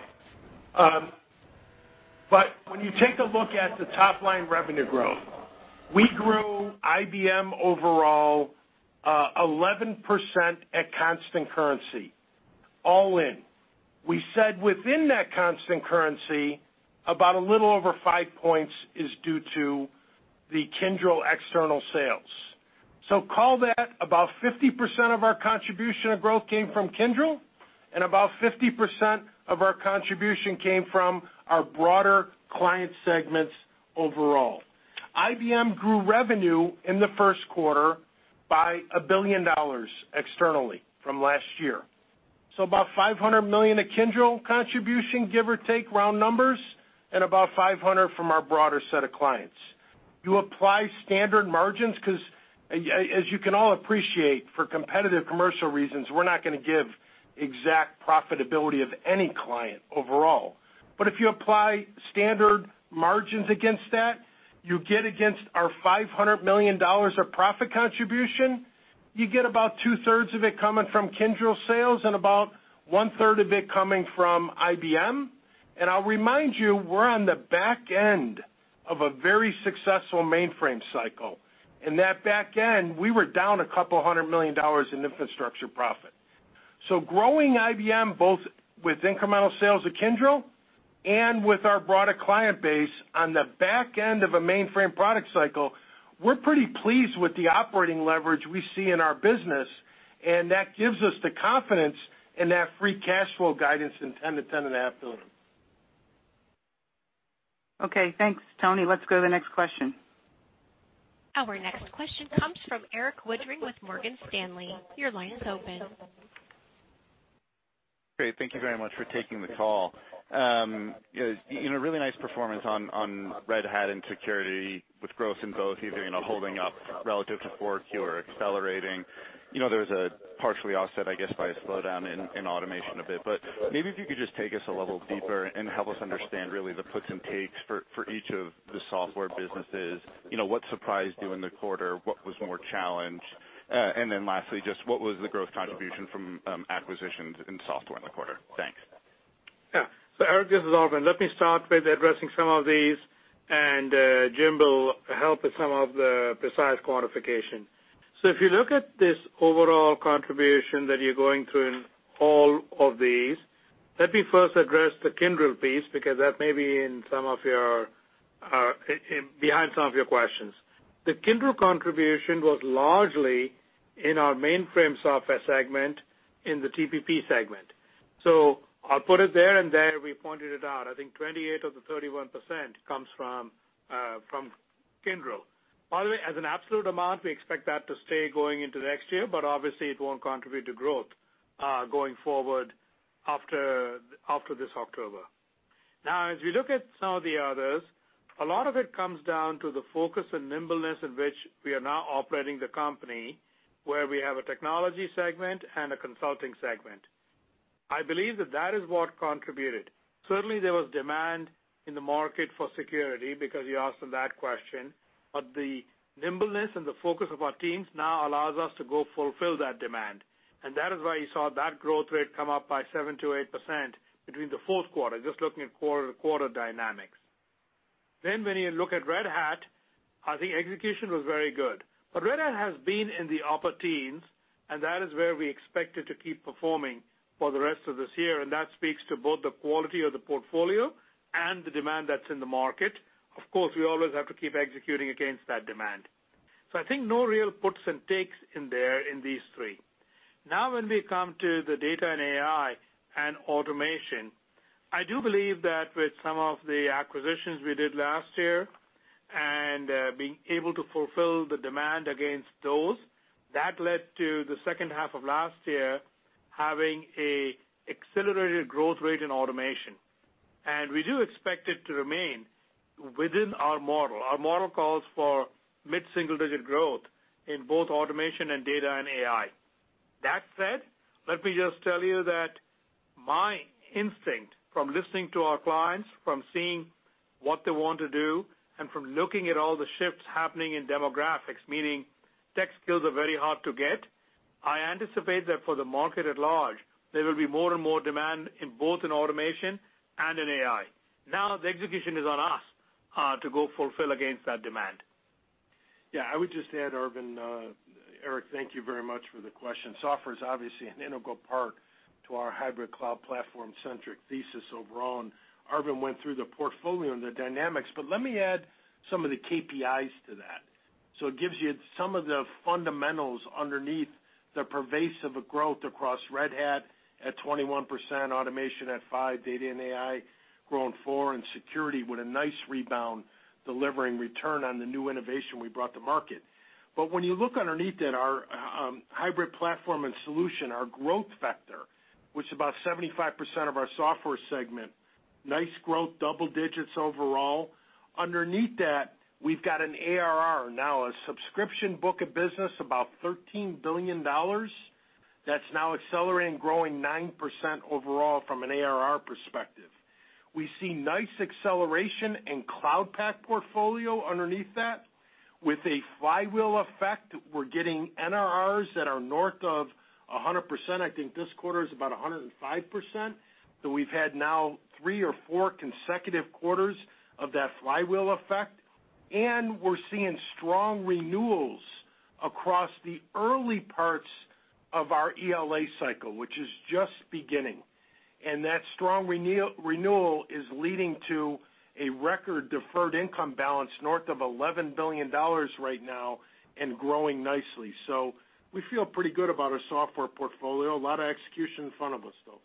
When you take a look at the top-line revenue growth, we grew IBM overall 11% at constant currency, all in. We said within that constant currency, about a little over 5 points is due to the Kyndryl external sales. Call that about 50% of our contribution of growth came from Kyndryl, and about 50% of our contribution came from our broader client segments overall. IBM grew revenue in the first quarter by $1 billion externally from last year. About $500 million of Kyndryl contribution, give or take round numbers, and about $500 million from our broader set of clients. You apply standard margins because as you can all appreciate, for competitive commercial reasons, we're not gonna give exact profitability of any client overall. But if you apply standard margins against that, you get against our $500 million of profit contribution, you get about two-thirds of it coming from Kyndryl sales and about one-third of it coming from IBM. I'll remind you, we're on the back end of a very successful mainframe cycle. In that back end, we were down $200 million in Infrastructure profit. Growing IBM, both with incremental sales of Kyndryl and with our broader client base on the back end of a mainframe product cycle, we're pretty pleased with the operating leverage we see in our business, and that gives us the confidence in that free cash flow guidance in $10 billion-$10.5 billion. Okay, thanks, Tony. Let's go to the next question. Our next question comes from Erik Woodring with Morgan Stanley. Your line's open. Great. Thank you very much for taking the call. You know, really nice performance on Red Hat and security with growth in both, either you know, holding up relative to 4Q or accelerating. You know, there was a partial offset, I guess, by a slowdown in automation a bit. Maybe if you could just take us a level deeper and help us understand really the puts and takes for each of the software businesses. You know, what surprised you in the quarter? What was more challenged? Then lastly, just what was the growth contribution from acquisitions in software in the quarter? Thanks. Yeah. Eric, this is Arvind. Let me start with addressing some of these, and Jim will help with some of the precise quantification. If you look at this overall contribution that you're going through in all of these, let me first address the Kyndryl piece, because that may be in some of your In behind some of your questions. The Kyndryl contribution was largely in our mainframe software segment in the TPP segment. I'll put it there, and there we pointed it out. I think 28 of the 31% comes from Kyndryl. By the way, as an absolute amount, we expect that to stay going into next year, but obviously, it won't contribute to growth going forward after this October. Now, as we look at some of the others, a lot of it comes down to the focus and nimbleness in which we are now operating the company, where we have a technology segment and a consulting segment. I believe that is what contributed. Certainly, there was demand in the market for security because you asked that question, but the nimbleness and the focus of our teams now allows us to go fulfill that demand. That is why you saw that growth rate come up by 7%-8% between the fourth quarter, just looking at quarter-over-quarter dynamics. When you look at Red Hat, I think execution was very good. Red Hat has been in the upper teens, and that is where we expect it to keep performing for the rest of this year, and that speaks to both the quality of the portfolio and the demand that's in the market. Of course, we always have to keep executing against that demand. I think no real puts and takes in there in these three. Now, when we come to the data and AI and automation, I do believe that with some of the acquisitions we did last year and being able to fulfill the demand against those, that led to the second half of last year having an accelerated growth rate in automation. We do expect it to remain within our model. Our model calls for mid-single-digit growth in both automation and data and AI. That said, let me just tell you that my instinct from listening to our clients, from seeing what they want to do, and from looking at all the shifts happening in demographics, meaning tech skills are very hard to get, I anticipate that for the market at large, there will be more and more demand in both in automation and in AI. Now, the execution is on us to go fulfill against that demand. Yeah, I would just add, Arvind, Eric, thank you very much for the question. Software is obviously an integral part to our hybrid cloud platform-centric thesis overall, and Arvind went through the portfolio and the dynamics, but let me add some of the KPIs to that. It gives you some of the fundamentals underneath the pervasive growth across Red Hat at 21%, automation at 5%, data and AI growing 4%, and security with a nice rebound, delivering return on the new innovation we brought to market. When you look underneath it, our hybrid platform and solution, our growth factor, which is about 75% of our software segment, nice growth, double digits overall. Underneath that, we've got an ARR, now a subscription book of business, about $13 billion that's now accelerating, growing 9% overall from an ARR perspective. We see nice acceleration in Cloud Pak portfolio underneath that. With a flywheel effect, we're getting NRR that are north of 100%. I think this quarter is about 105%. We've had now 3 or 4 consecutive quarters of that flywheel effect, and we're seeing strong renewals across the early parts of our ELA cycle, which is just beginning. That strong renewal is leading to a record deferred income balance north of $11 billion right now and growing nicely. We feel pretty good about our software portfolio. A lot of execution in front of us, though.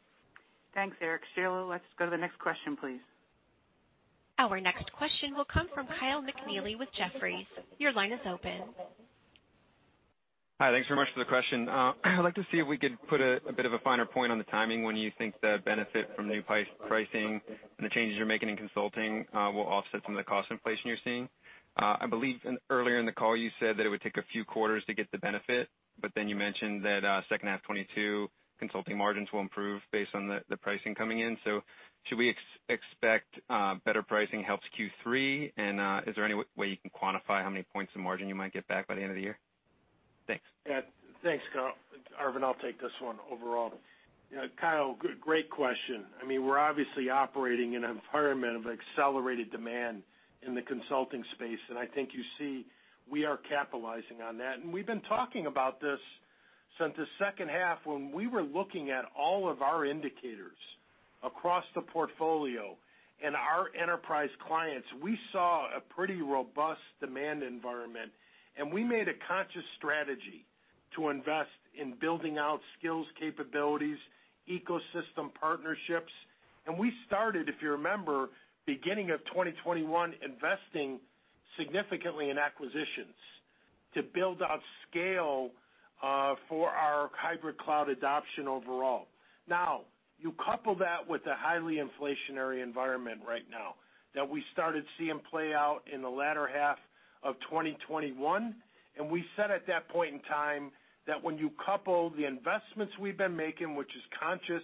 Thanks, Eric. Sheila, let's go to the next question, please. Our next question will come from Kyle McNealy with Jefferies. Your line is open. Hi. Thanks very much for the question. I'd like to see if we could put a bit of a finer point on the timing when you think the benefit from new pricing and the changes you're making in consulting will offset some of the cost inflation you're seeing. I believe earlier in the call, you said that it would take a few quarters to get the benefit, but then you mentioned that second half 2022 consulting margins will improve based on the pricing coming in. Should we expect better pricing helps Q3? And is there any way you can quantify how many points in margin you might get back by the end of the year? Thanks. Yeah. Thanks, Kyle. Arvind, I'll take this one overall. You know, Kyle, good, great question. I mean, we're obviously operating in an environment of accelerated demand in the consulting space, and I think you see we are capitalizing on that. We've been talking about this since the second half when we were looking at all of our indicators across the portfolio and our enterprise clients. We saw a pretty robust demand environment, and we made a conscious strategy to invest in building out skills, capabilities, ecosystem partnerships. We started, if you remember, beginning of 2021, investing significantly in acquisitions to build out scale for our hybrid cloud adoption overall. Now, you couple that with the highly inflationary environment right now that we started seeing play out in the latter half of 2021, and we said at that point in time that when you couple the investments we've been making, which is conscious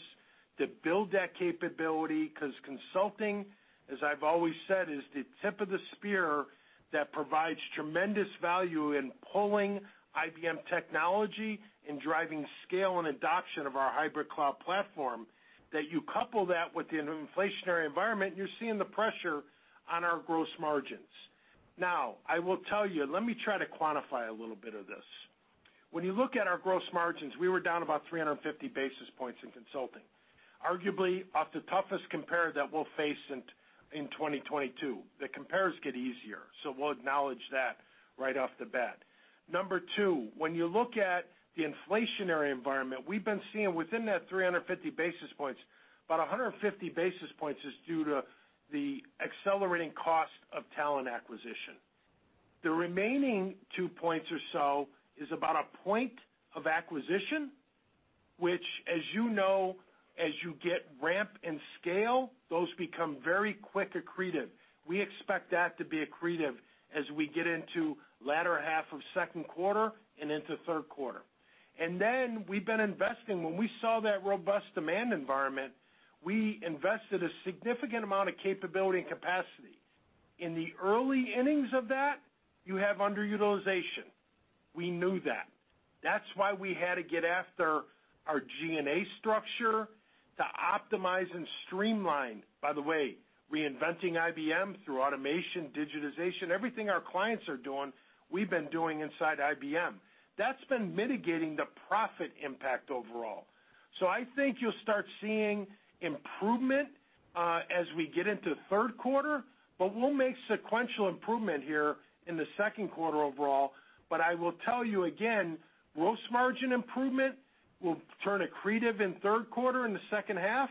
to build that capability, 'cause consulting, as I've always said, is the tip of the spear that provides tremendous value in pulling IBM technology and driving scale and adoption of our hybrid cloud platform, that you couple that with the inflationary environment, you're seeing the pressure on our gross margin. Now, I will tell you, let me try to quantify a little bit of this. When you look at our gross margins, we were down about 350 basis points in consulting, arguably off the toughest compare that we'll face in 2022. The compares get easier, so we'll acknowledge that right off the bat. Number two, when you look at the inflationary environment, we've been seeing within that 350 basis points, about 150 basis points is due to the accelerating cost of talent acquisition. The remaining two points or so is about a point of acquisition, which, as you know, as you get ramp and scale, those become very quick accretive. We expect that to be accretive as we get into latter half of second quarter and into third quarter. Then we've been investing. When we saw that robust demand environment, we invested a significant amount of capability and capacity. In the early innings of that, you have underutilization. We knew that. That's why we had to get after our G&A structure to optimize and streamline, by the way, reinventing IBM through automation, digitization. Everything our clients are doing, we've been doing inside IBM. That's been mitigating the profit impact overall. I think you'll start seeing improvement as we get into third quarter, but we'll make sequential improvement here in the second quarter overall. I will tell you again, gross margin improvement will turn accretive in third quarter in the second half.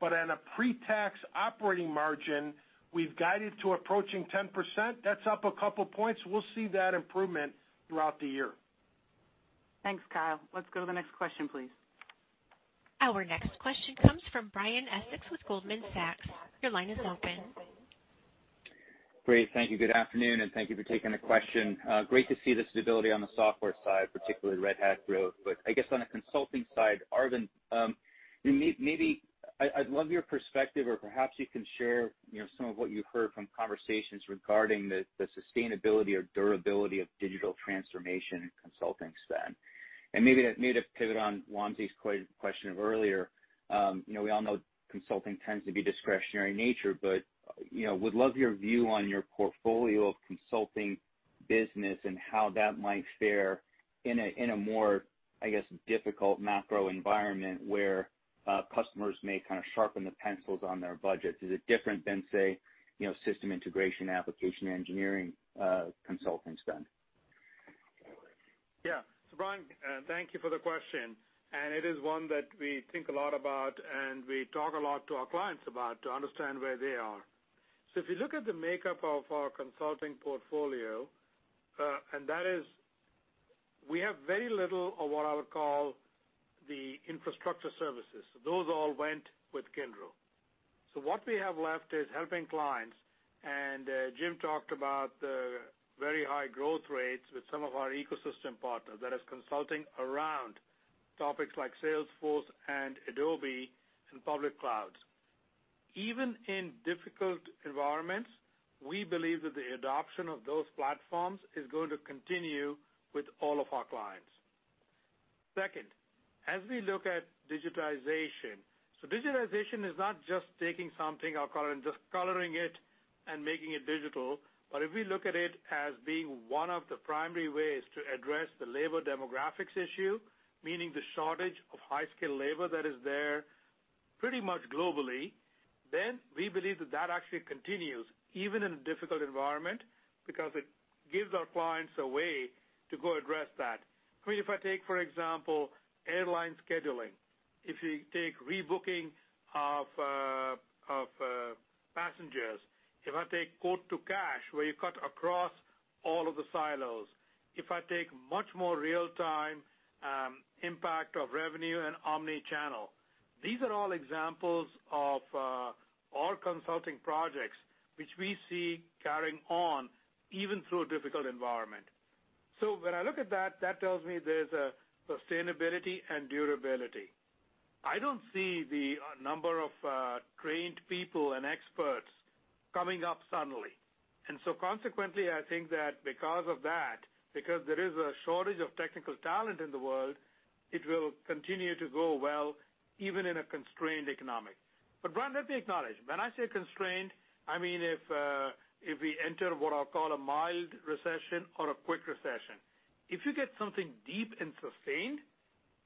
On a pre-tax operating margin, we've guided to approaching 10%. That's up a couple points. We'll see that improvement throughout the year. Thanks, Kyle. Let's go to the next question, please. Our next question comes from Brian Essex with Goldman Sachs. Your line is open. Great. Thank you. Good afternoon, and thank you for taking the question. Great to see the stability on the software side, particularly Red Hat growth. I guess on the consulting side, Arvind, maybe I'd love your perspective or perhaps you can share, you know, some of what you've heard from conversations regarding the sustainability or durability of digital transformation in consulting spend. Maybe to pivot on Vamsi's question earlier, you know, we all know consulting tends to be discretionary in nature, but you know, would love your view on your portfolio of consulting business and how that might fare in a more difficult macro environment where customers may kind of sharpen the pencils on their budgets. Is it different than, say, you know, system integration, application engineering, consulting spend? Yeah. Brian, thank you for the question. It is one that we think a lot about, and we talk a lot to our clients about to understand where they are. If you look at the makeup of our consulting portfolio, and that is we have very little of what I would call the infrastructure services. Those all went with Kyndryl. What we have left is helping clients, and Jim talked about the very high growth rates with some of our ecosystem partners, that is consulting around topics like Salesforce and Adobe and public clouds. Even in difficult environments, we believe that the adoption of those platforms is going to continue with all of our clients. Second, as we look at digitization is not just taking something I'll call and just coloring it and making it digital. If we look at it as being one of the primary ways to address the labor demographics issue, meaning the shortage of high-skill labor that is there pretty much globally, then we believe that that actually continues even in a difficult environment because it gives our clients a way to go address that. I mean, if I take, for example, airline scheduling, if you take rebooking of passengers, if I take quote to cash, where you cut across all of the silos, if I take much more real-time impact of revenue and omni-channel, these are all examples of our consulting projects, which we see carrying on even through a difficult environment. When I look at that tells me there's a sustainability and durability. I don't see the number of trained people and experts coming up suddenly. Consequently, I think that because of that, because there is a shortage of technical talent in the world, it will continue to grow well, even in a constrained economy. Brian, let me acknowledge, when I say constrained, I mean if we enter what I'll call a mild recession or a quick recession. If you get something deep and sustained,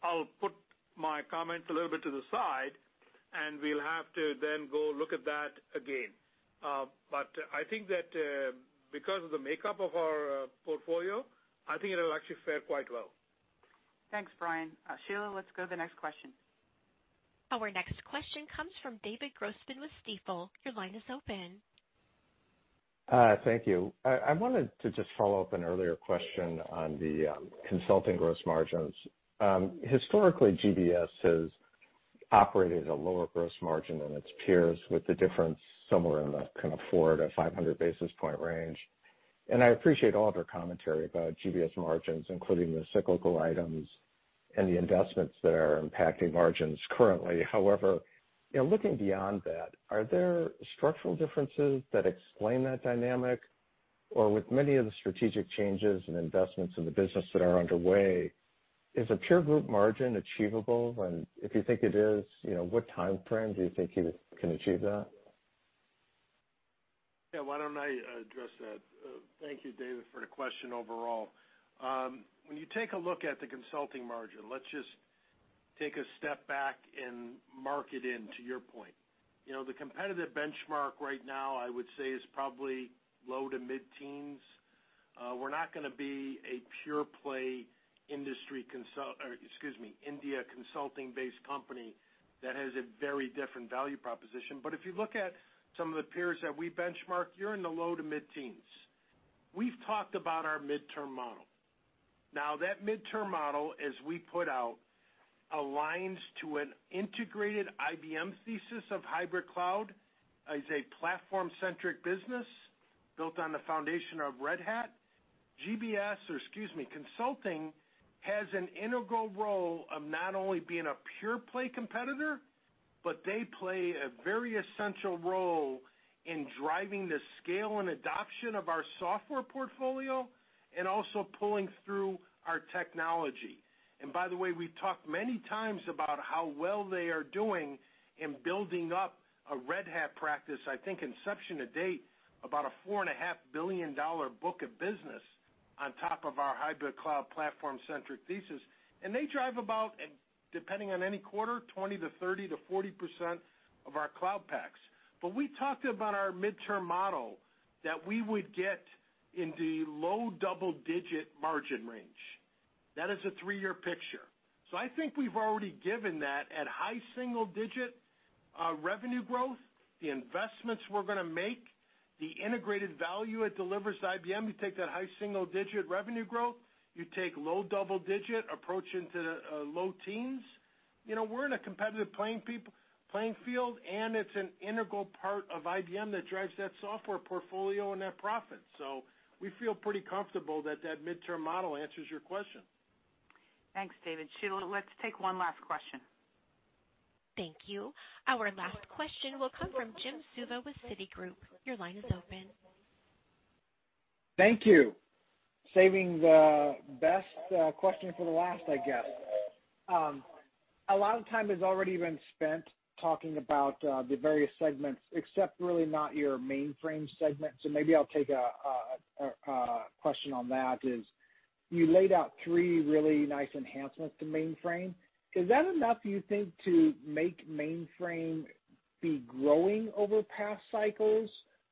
I'll put my comment a little bit to the side, and we'll have to then go look at that again. I think that, because of the makeup of our portfolio, I think it'll actually fare quite well. Thanks, Brian. Sheila, let's go to the next question. Our next question comes from David Grossman with Stifel. Your line is open. Thank you. I wanted to just follow up on an earlier question on the consulting gross margins. Historically, GBS has operated at a lower gross margin than its peers with the difference somewhere in the kind of 400-500 basis point range. I appreciate all of your commentary about GBS margins, including the cyclical items and the investments that are impacting margins currently. However, you know, looking beyond that, are there structural differences that explain that dynamic? Or with many of the strategic changes and investments in the business that are underway? Is a pure group margin achievable? If you think it is, you know, what timeframe do you think you can achieve that? Yeah, why don't I address that? Thank you, David, for the question overall. When you take a look at the consulting margin, let's just take a step back and tie it into your point. You know, the competitive benchmark right now, I would say is probably low- to mid-teens. We're not gonna be a pure play India consulting-based company that has a very different value proposition. If you look at some of the peers that we benchmark, you're in the low- to mid-teens. We've talked about our midterm model. Now, that midterm model, as we put out, aligns to an integrated IBM thesis of hybrid cloud as a platform-centric business built on the foundation of Red Hat. Consulting has an integral role of not only being a pure play competitor, but they play a very essential role in driving the scale and adoption of our software portfolio and also pulling through our technology. By the way, we've talked many times about how well they are doing in building up a Red Hat practice. I think inception to date, about a $4.5 billion book of business on top of our hybrid cloud platform-centric thesis. They drive about, depending on any quarter, 20%-40% of our Cloud Paks. We talked about our midterm model that we would get in the low double-digit margin range. That is a three-year picture. I think we've already given that at high single-digit revenue growth, the investments we're gonna make, the integrated value it delivers to IBM, you take that high single-digit revenue growth, you take low double-digit approaching low teens, you know, we're in a competitive playing field, and it's an integral part of IBM that drives that software portfolio and that profit. We feel pretty comfortable that that mid-term model answers your question. Thanks, David. Sheila, let's take one last question. Thank you. Our last question will come from Jim Suva with Citigroup. Your line is open. Thank you. Saving the best question for the last, I guess. A lot of time has already been spent talking about the various segments, except really not your mainframe segment, so maybe I'll take a question on that is, you laid out three really nice enhancements to mainframe. Is that enough, do you think, to make mainframe be growing over past cycles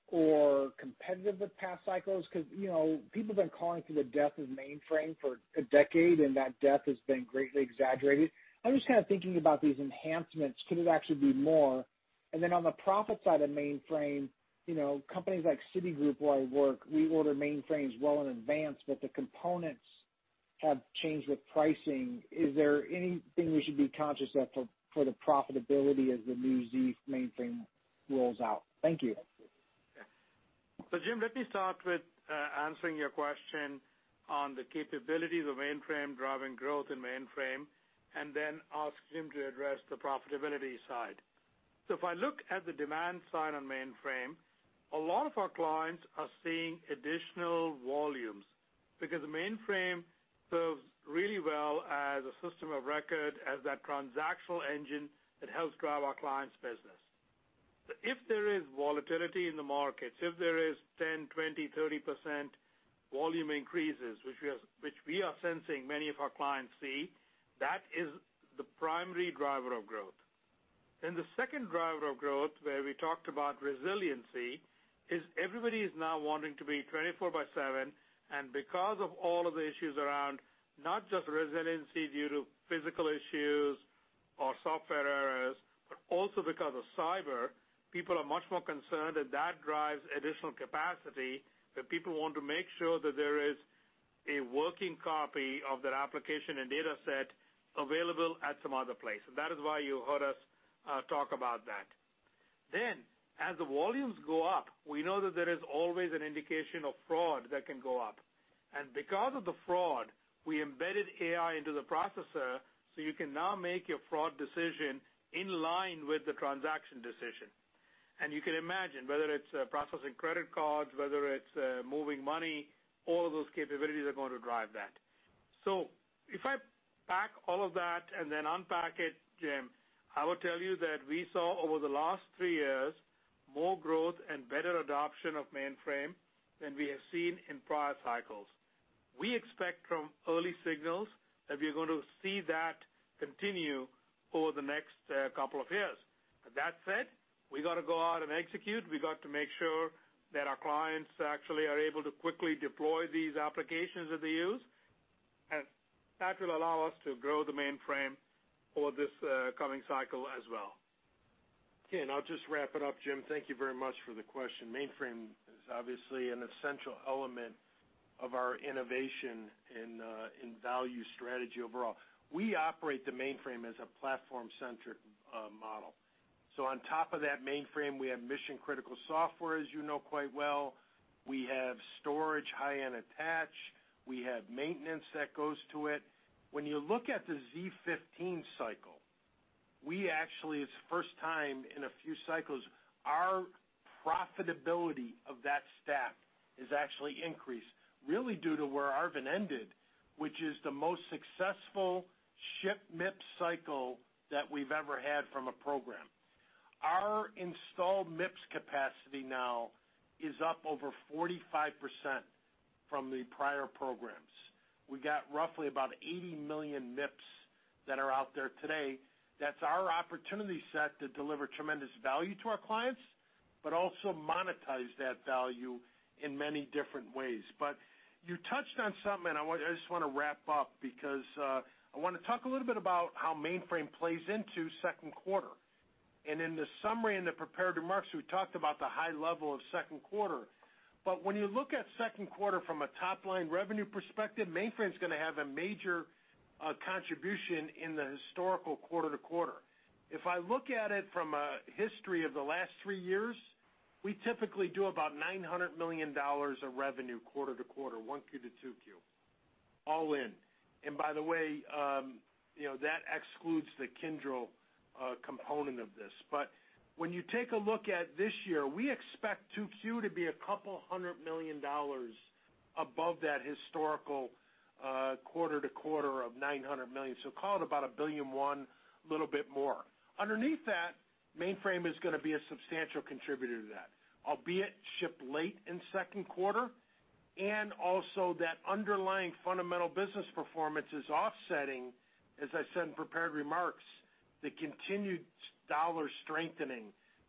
or competitive with past cycles? 'Cause, you know, people have been calling for the death of mainframe for a decade, and that death has been greatly exaggerated. I'm just kind of thinking about these enhancements. Could it actually be more? Then on the profit side of mainframe, you know, companies like Citigroup, where I work, we order mainframes well in advance, but the components have changed with pricing. Is there anything we should be conscious of for the profitability as the new Z mainframe rolls out? Thank you. Jim, let me start with answering your question on the capabilities of mainframe driving growth in mainframe, and then ask Jim to address the profitability side. If I look at the demand side on mainframe, a lot of our clients are seeing additional volumes because the mainframe serves really well as a system of record, as that transactional engine that helps drive our clients' business. If there is volatility in the markets, if there is 10, 20, 30% volume increases, which we are sensing many of our clients see, that is the primary driver of growth. The second driver of growth, where we talked about resiliency, is everybody is now wanting to be 24/7, and because of all of the issues around not just resiliency due to physical issues or software errors, but also because of cyber, people are much more concerned, and that drives additional capacity that people want to make sure that there is a working copy of their application and data set available at some other place. That is why you heard us talk about that. As the volumes go up, we know that there is always an indication of fraud that can go up. Because of the fraud, we embedded AI into the processor, so you can now make your fraud decision in line with the transaction decision. You can imagine, whether it's processing credit cards, whether it's moving money, all of those capabilities are going to drive that. If I pack all of that and then unpack it, Jim, I would tell you that we saw over the last three years more growth and better adoption of mainframe than we have seen in prior cycles. We expect from early signals that we're going to see that continue over the next couple of years. That said, we got to go out and execute. We got to make sure that our clients actually are able to quickly deploy these applications that they use, and that will allow us to grow the mainframe for this coming cycle as well. Okay. I'll just wrap it up, Jim. Thank you very much for the question. Mainframe is obviously an essential element of our innovation and value strategy overall. We operate the mainframe as a platform-centric model. On top of that mainframe, we have mission-critical software, as you know quite well. We have storage, high-end attach. We have maintenance that goes to it. When you look at the z15 cycle, we actually—it's first time in a few cycles, our profitability of that stack is actually increased really due to where Arvind ended, which is the most successful ship MIPS cycle that we've ever had from a program. Our installed MIPS capacity now is up over 45% from the prior programs. We got roughly about 80 million MIPS that are out there today. That's our opportunity set to deliver tremendous value to our clients, but also monetize that value in many different ways. You touched on something, and I just wanna wrap up because I wanna talk a little bit about how mainframe plays into second quarter. In the summary, in the prepared remarks, we talked about the high level of second quarter. When you look at second quarter from a top-line revenue perspective, mainframe's gonna have a major contribution in the historical quarter to quarter. If I look at it from a history of the last three years, we typically do about $900 million of revenue quarter to quarter, Q1 to Q2, all in. By the way, you know, that excludes the Kyndryl component of this. When you take a look at this year, we expect 2Q to be $200 million above that historical quarter-over-quarter of $900 million. Call it about $1.1 billion, little bit more. Underneath that, mainframe is gonna be a substantial contributor to that, albeit ship late in second quarter. Also that underlying fundamental business performance is offsetting, as I said in prepared remarks, the continued strong dollar strengthening,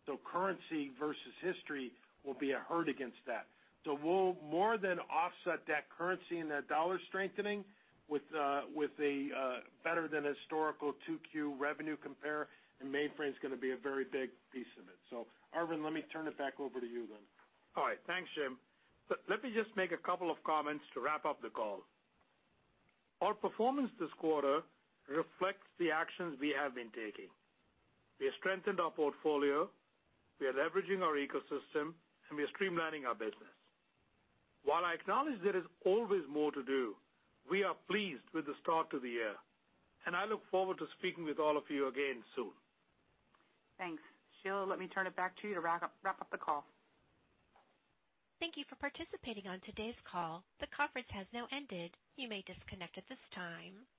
so currency versus history will be a hurt against that. We'll more than offset that currency and that dollar strengthening with a better than historical 2Q revenue compare, and mainframe's gonna be a very big piece of it. Arvind, let me turn it back over to you then. All right. Thanks, Jim. Let me just make a couple of comments to wrap up the call. Our performance this quarter reflects the actions we have been taking. We have strengthened our portfolio, we are leveraging our ecosystem, and we are streamlining our business. While I acknowledge there is always more to do, we are pleased with the start of the year, and I look forward to speaking with all of you again soon. Thanks. Sheila, let me turn it back to you to wrap up the call. Thank you for participating on today's call. The conference has now ended. You may disconnect at this time.